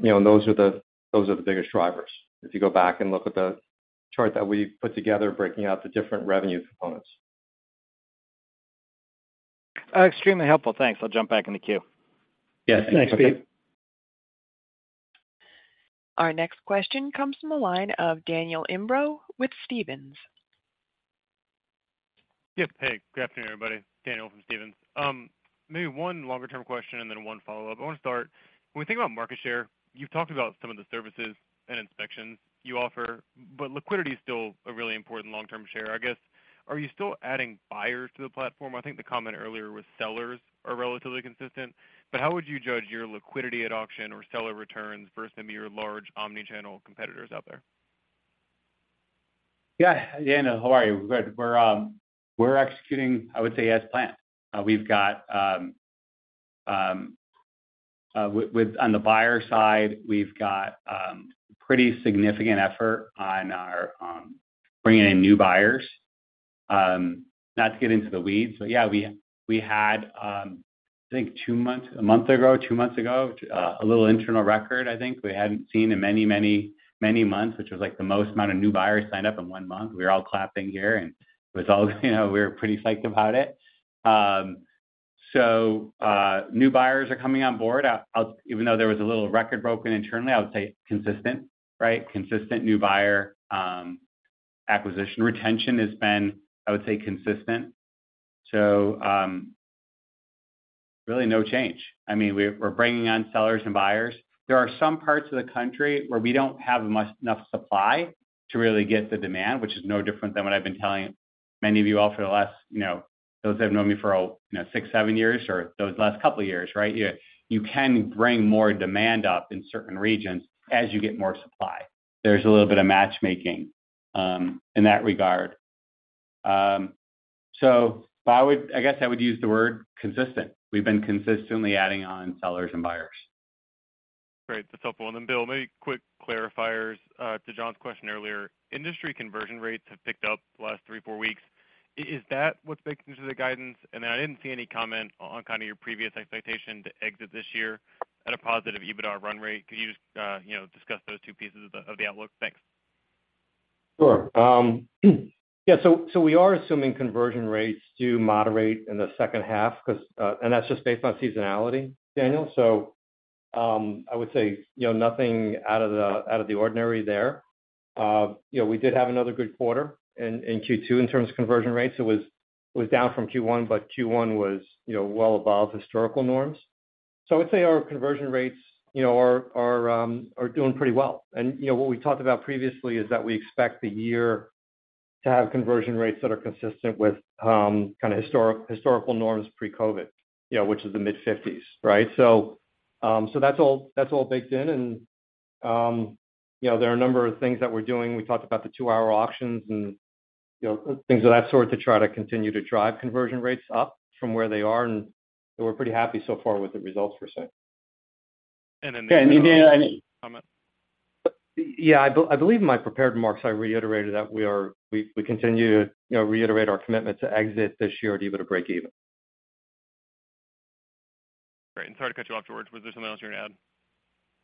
You know, those are the, those are the biggest drivers. If you go back and look at the chart that we put together, breaking out the different revenue components. Extremely helpful. Thanks. I'll jump back in the queue. Yes. Thanks, Pete. Our next question comes from the line of Daniel Imbro with Stephens. Yep. Hey, good afternoon, everybody. Daniel from Stephens. Maybe one longer-term question and then one follow-up. I want to start, when we think about market share, you've talked about some of the services and inspections you offer, but liquidity is still a really important long-term share. I guess, are you still adding buyers to the platform? I think the comment earlier was sellers are relatively consistent, but how would you judge your liquidity at auction or seller returns versus some of your large omni-channel competitors out there? Yeah, Daniel, how are you? Good. We're, we're executing, I would say, as planned. We've got, on the buyer side, we've got pretty significant effort on our bringing in new buyers. Not to get into the weeds, but yeah, we, we had, I think two months, a month ago, two months ago, a little internal record I think we hadn't seen in many, many, many months, which was, like, the most amount of new buyers signed up in one month. We were all clapping here, it was all, you know, we were pretty psyched about it. New buyers are coming on board. Even though there was a little record broken internally, I would say consistent, right? Consistent new buyer acquisition. Retention has been, I would say, consistent. Really no change. I mean, we're bringing on sellers and buyers. There are some parts of the country where we don't have much, enough supply to really get the demand, which is no different than what I've been telling many of you all for the last, you know, those that have known me for, you know, six, seven years or those last couple of years, right? You, you can bring more demand up in certain regions as you get more supply. There's a little bit of matchmaking in that regard. I guess I would use the word consistent. We've been consistently adding on sellers and buyers. Great. That's helpful. Then, Bill, maybe quick clarifiers to John's question earlier. Industry conversion rates have picked up the last three, four weeks. Is that what's baked into the guidance? Then I didn't see any comment on kind of your previous expectation to exit this year at a positive EBITDA run rate. Could you just, you know, discuss those two pieces of the, of the outlook? Thanks. Sure. Yeah, so, so we are assuming conversion rates do moderate in the second half because. That's just based on seasonality, Daniel. I would say, you know, nothing out of the, out of the ordinary there. You know, we did have another good quarter in, in Q2 in terms of conversion rates. It was, it was down from Q1, but Q1 was, you know, well above historical norms. I would say our conversion rates, you know, are, are, are doing pretty well. You know, what we talked about previously is that we expect the year to have conversion rates that are consistent with, kind of historical norms pre-COVID, you know, which is the mid-fifties, right? That's all, that's all baked in. You know, there are a number of things that we're doing. We talked about the two-hour auctions and, you know, things of that sort to try to continue to drive conversion rates up from where they are. We're pretty happy so far with the results we're seeing. Then. Yeah, and. Comment. I believe in my prepared remarks, I reiterated that we continue to, you know, reiterate our commitment to exit this year at EBITDA breakeven. Great, sorry to cut you off, George. Was there something else you want to add?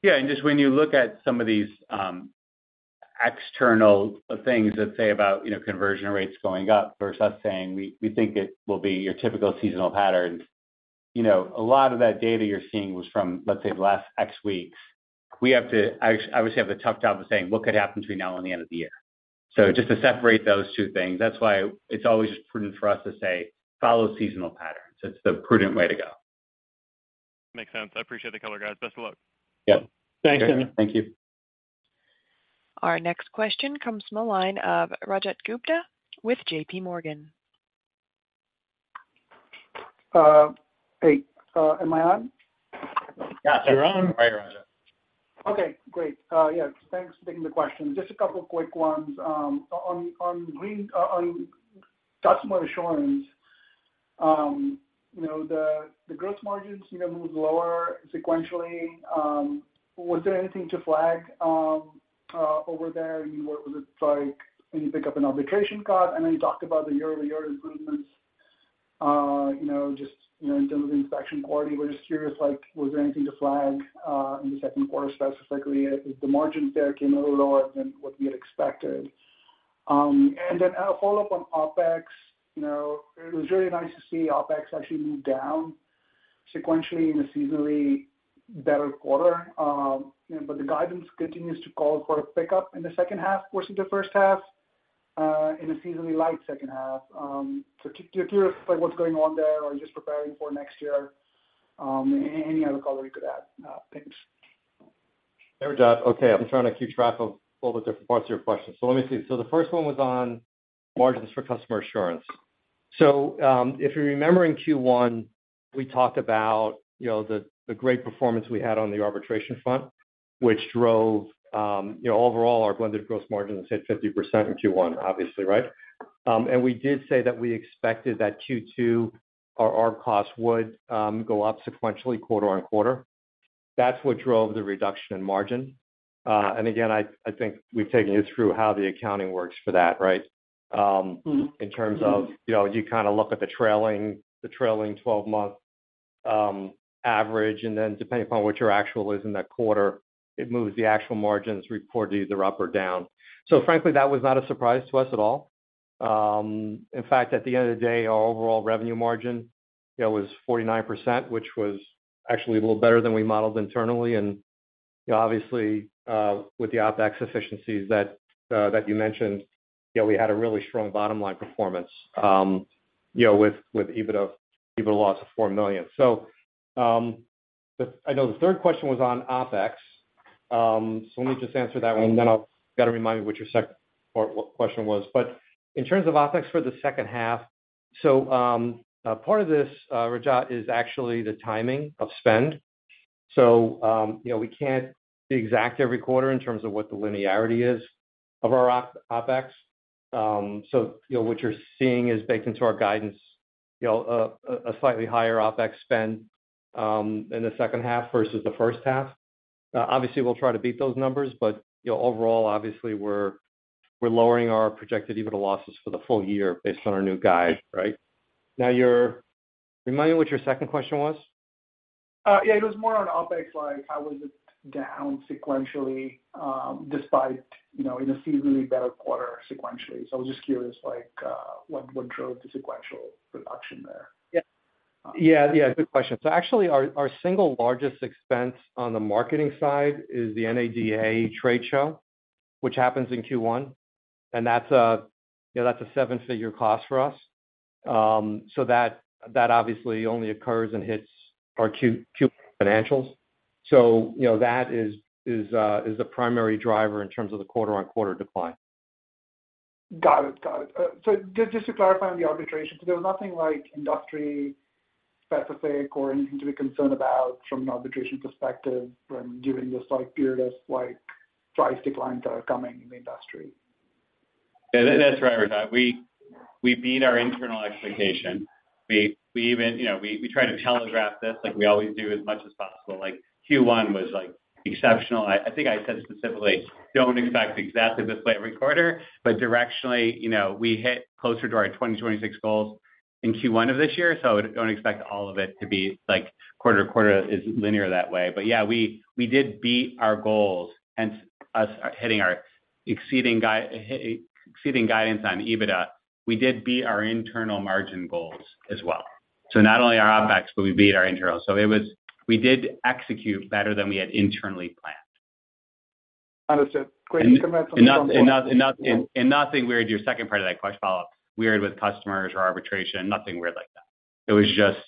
Yeah, just when you look at some of these, external things that say about, you know, conversion rates going up versus us saying we, we think it will be your typical seasonal pattern. You know, a lot of that data you're seeing was from, let's say, the last X weeks. We have to, obviously, have the tough job of saying what could happen between now and the end of the year. Just to separate those two things, that's why it's always prudent for us to say, follow seasonal patterns. It's the prudent way to go. Makes sense. I appreciate the color, guys. Best of luck. Yep. Thanks, Daniel. Thank you. Our next question comes from the line of Rajat Gupta with JPMorgan. Hey, am I on? Yes, you're on. Hi, Rajat. Okay, great. Yeah, thanks for taking the question. Just a couple of quick ones. On, on green-- on customer assurance, you know, the, the gross margins, you know, moved lower sequentially. Was there anything to flag over there? You know, what was it like when you pick up an obligation card, and then you talked about the year-over-year improvements, you know, just, you know, in terms of inspection quality. We're just curious, like, was there anything to flag in the second quarter, specifically, if the margins there came a little lower than what we had expected? Then a follow-up on OpEx. You know, it was really nice to see OpEx actually move down sequentially in a seasonally better quarter. The guidance continues to call for a pickup in the second half versus the first half, in a seasonally light second half. Curious about what's going on there or just preparing for next year? Any other color you could add, thanks. Hey, Rajat. Okay, I'm trying to keep track of all the different parts of your question. Let me see. The first one was on margins for customer assurance. If you remember in Q1, we talked about, you know, the, the great performance we had on the arbitration front, which drove, you know, overall, our blended gross margin was hit 50% in Q1, obviously, right? We did say that we expected that Q2, our arb costs would go up sequentially, quarter-on-quarter. That's what drove the reduction in margin. Again, I, I think we've taken you through how the accounting works for that, right? In terms of, you know, you kind of look at the trailing, the trailing 12-month average, and then depending upon what your actual is in that quarter, it moves the actual margins reported either up or down. Frankly, that was not a surprise to us at all. In fact, at the end of the day, our overall revenue margin, you know, was 49%, which was actually a little better than we modeled internally. Obviously, with the OpEx efficiencies that you mentioned, you know, we had a really strong bottom line performance, you know, with EBITDA, EBITDA loss of $4 million. I know the third question was on OpEx. Let me just answer that one, and then I'll, gotta remind me what your second question was. In terms of OpEx for the second half, part of this, Rajat, is actually the timing of spend. You know, we can't be exact every quarter in terms of what the linearity is of our OpEx. You know, what you're seeing is baked into our guidance, you know, a slightly higher OpEx spend in the second half versus the first half. Obviously, we'll try to beat those numbers, but, you know, overall, obviously, we're lowering our projected EBITDA losses for the full year based on our new guide, right? Remind me what your second question was? Yeah, it was more on OpEx, like, how was it down sequentially, despite, you know, in a seasonally better quarter sequentially. I was just curious, like, what, what drove the sequential reduction there? Yeah. Yeah, yeah, good question. Actually, our, our single largest expense on the marketing side is the NADA trade show, which happens in Q1, and that's a, you know, that's a seven-figure cost for us. That, that obviously only occurs and hits our quarter-over-quarter financials. You know, that is, is the primary driver in terms of the quarter-over-quarter decline. Got it. Got it. So just to clarify on the arbitration, so there was nothing like industry specific or anything to be concerned about from an arbitration perspective when during this, like, period of, like, price declines are coming in the industry? Yeah, that's right, Rajat. We, we beat our internal expectation. We, we even, you know, we, we try to telegraph this, like we always do, as much as possible. Q1 was, like, exceptional. I think I said specifically, "Don't expect exactly this way every quarter," but directionally, you know, we hit closer to our 2026 goals in Q1 of this year, so don't expect all of it to be like quarter to quarter is linear that way. Yeah, we, we did beat our goals, hence us hitting our exceeding exceeding guidance on EBITDA. We did beat our internal margin goals as well. Not only our OpEx, but we beat our internal. It was, we did execute better than we had internally planned. Understood. Great. You can add something- Not, and not, and nothing weird, your second part of that question, follow-up, weird with customers or arbitration, nothing weird like that. It was just,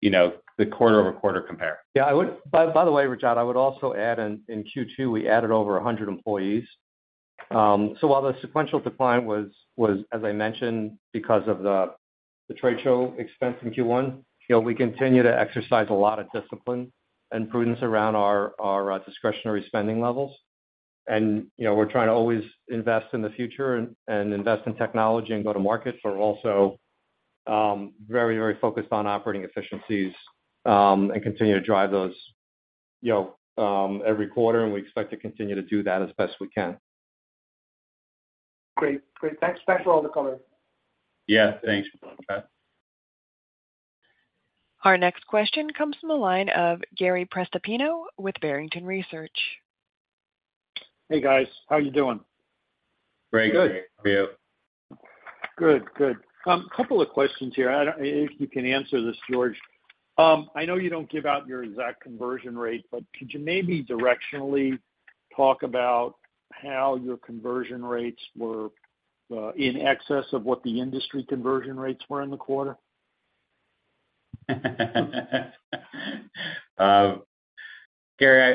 you know, the quarter-over-quarter compare. Yeah, I would-- By, by the way, Rajat, I would also add in, in Q2, we added over 100 employees. While the sequential decline was, was, as I mentioned, because of the, the trade show expense in Q1, you know, we continue to exercise a lot of discipline and prudence around our, our, discretionary spending levels. You know, we're trying to always invest in the future and, and invest in technology and go to markets. We're also, very, very focused on operating efficiencies, and continue to drive those, you know, every quarter, and we expect to continue to do that as best we can. Great. Great. Thanks, thanks for all the color. Yeah, thanks, Rajat. Our next question comes from the line of Gary Prestopino with Barrington Research. Hey, guys. How are you doing? Very good. Great. You? Good. Good. A couple of questions here. I don't know if you can answer this, George. I know you don't give out your exact conversion rate, but could you maybe directionally talk about how your conversion rates were, in excess of what the industry conversion rates were in the quarter? Gary,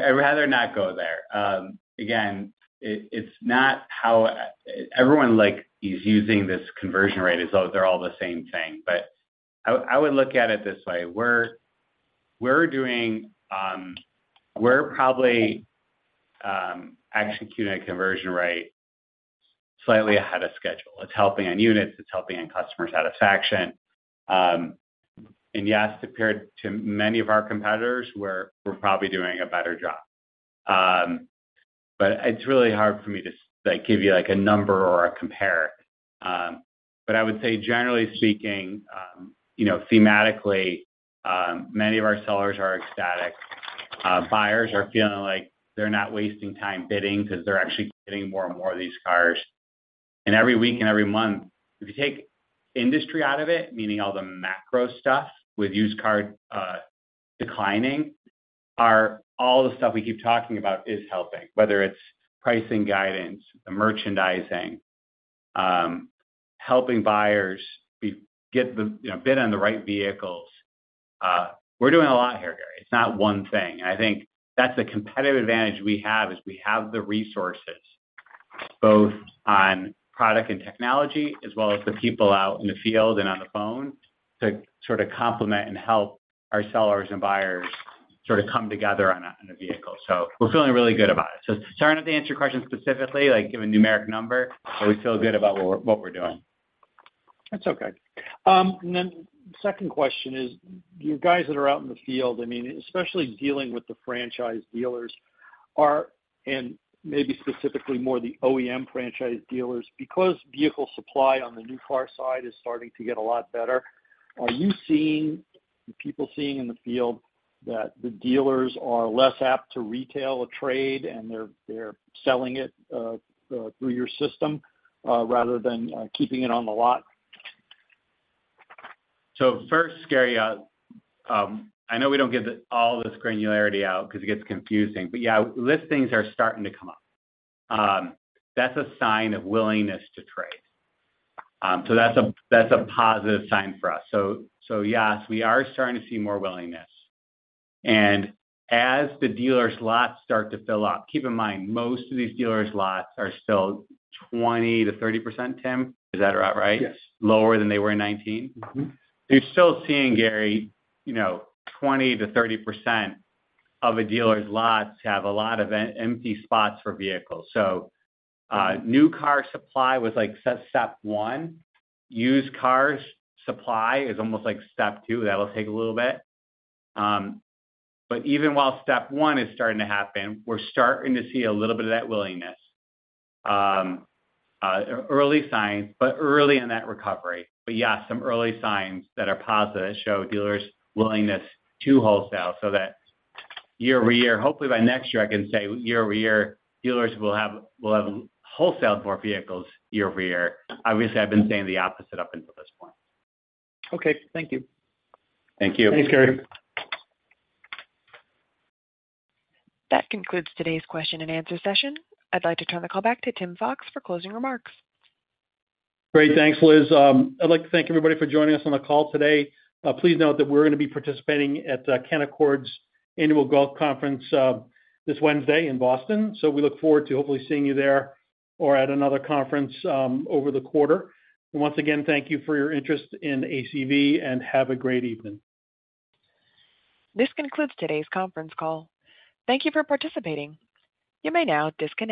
I'd rather not go there. Again, it's not how... Everyone, like, is using this conversion rate as though they're all the same thing. I would look at it this way: we're doing, we're probably executing a conversion rate slightly ahead of schedule. It's helping on units, it's helping on customer satisfaction. Yes, compared to many of our competitors, we're probably doing a better job. It's really hard for me to, like, give you, like, a number or a compare. I would say, generally speaking, you know, thematically, many of our sellers are ecstatic. Buyers are feeling like they're not wasting time bidding because they're actually getting more and more of these cars. Every week and every month, if you take industry out of it, meaning all the macro stuff with used car declining, are all the stuff we keep talking about is helping, whether it's pricing guidance, the merchandising, helping buyers get the, you know, bid on the right vehicles. We're doing a lot here, Gary. It's not one thing. I think that's the competitive advantage we have, is we have the resources, both on product and technology, as well as the people out in the field and on the phone, to sort of complement and help our sellers and buyers sort of come together on a vehicle. We're feeling really good about it. Sorry, I didn't answer your question specifically, like, give a numeric number, but we feel good about what we're doing. That's okay. Second question is, you guys that are out in the field, I mean, especially dealing with the franchise dealers, and maybe specifically more the OEM franchise dealers, because vehicle supply on the new car side is starting to get a lot better, are you seeing, are people seeing in the field that the dealers are less apt to retail a trade, and they're, they're selling it through your system, rather than keeping it on the lot? First, Gary, I know we don't give all this granularity out because it gets confusing, but yeah, listings are starting to come up. That's a sign of willingness to trade. That's a, that's a positive sign for us. Yes, we are starting to see more willingness. As the dealers' lots start to fill up... Keep in mind, most of these dealers' lots are still 20%-30%, Tim, is that about right? Yes. Lower than they were in 2019. Mm-hmm. You're still seeing, Gary, you know, 20%-30% of a dealer's lots have a lot of empty spots for vehicles. New car supply was, like, step one. Used cars supply is almost like step two. That will take a little bit. Even while step one is starting to happen, we're starting to see a little bit of that willingness. Early signs, early in that recovery. Yeah, some early signs that are positive show dealers' willingness to wholesale. That year-over-year, hopefully by next year, I can say year-over-year, dealers will have, will have wholesaled more vehicles year-over-year. I've been saying the opposite up until this point. Okay. Thank you. Thank you. Thanks, Gary. That concludes today's question and answer session. I'd like to turn the call back to Tim Fox for closing remarks. Great. Thanks, Liz. I'd like to thank everybody for joining us on the call today. Please note that we're going to be participating at Canaccord's Annual Growth Conference this Wednesday in Boston. We look forward to hopefully seeing you there or at another conference over the quarter. Once again, thank you for your interest in ACV, and have a great evening. This concludes today's conference call. Thank you for participating. You may now disconnect.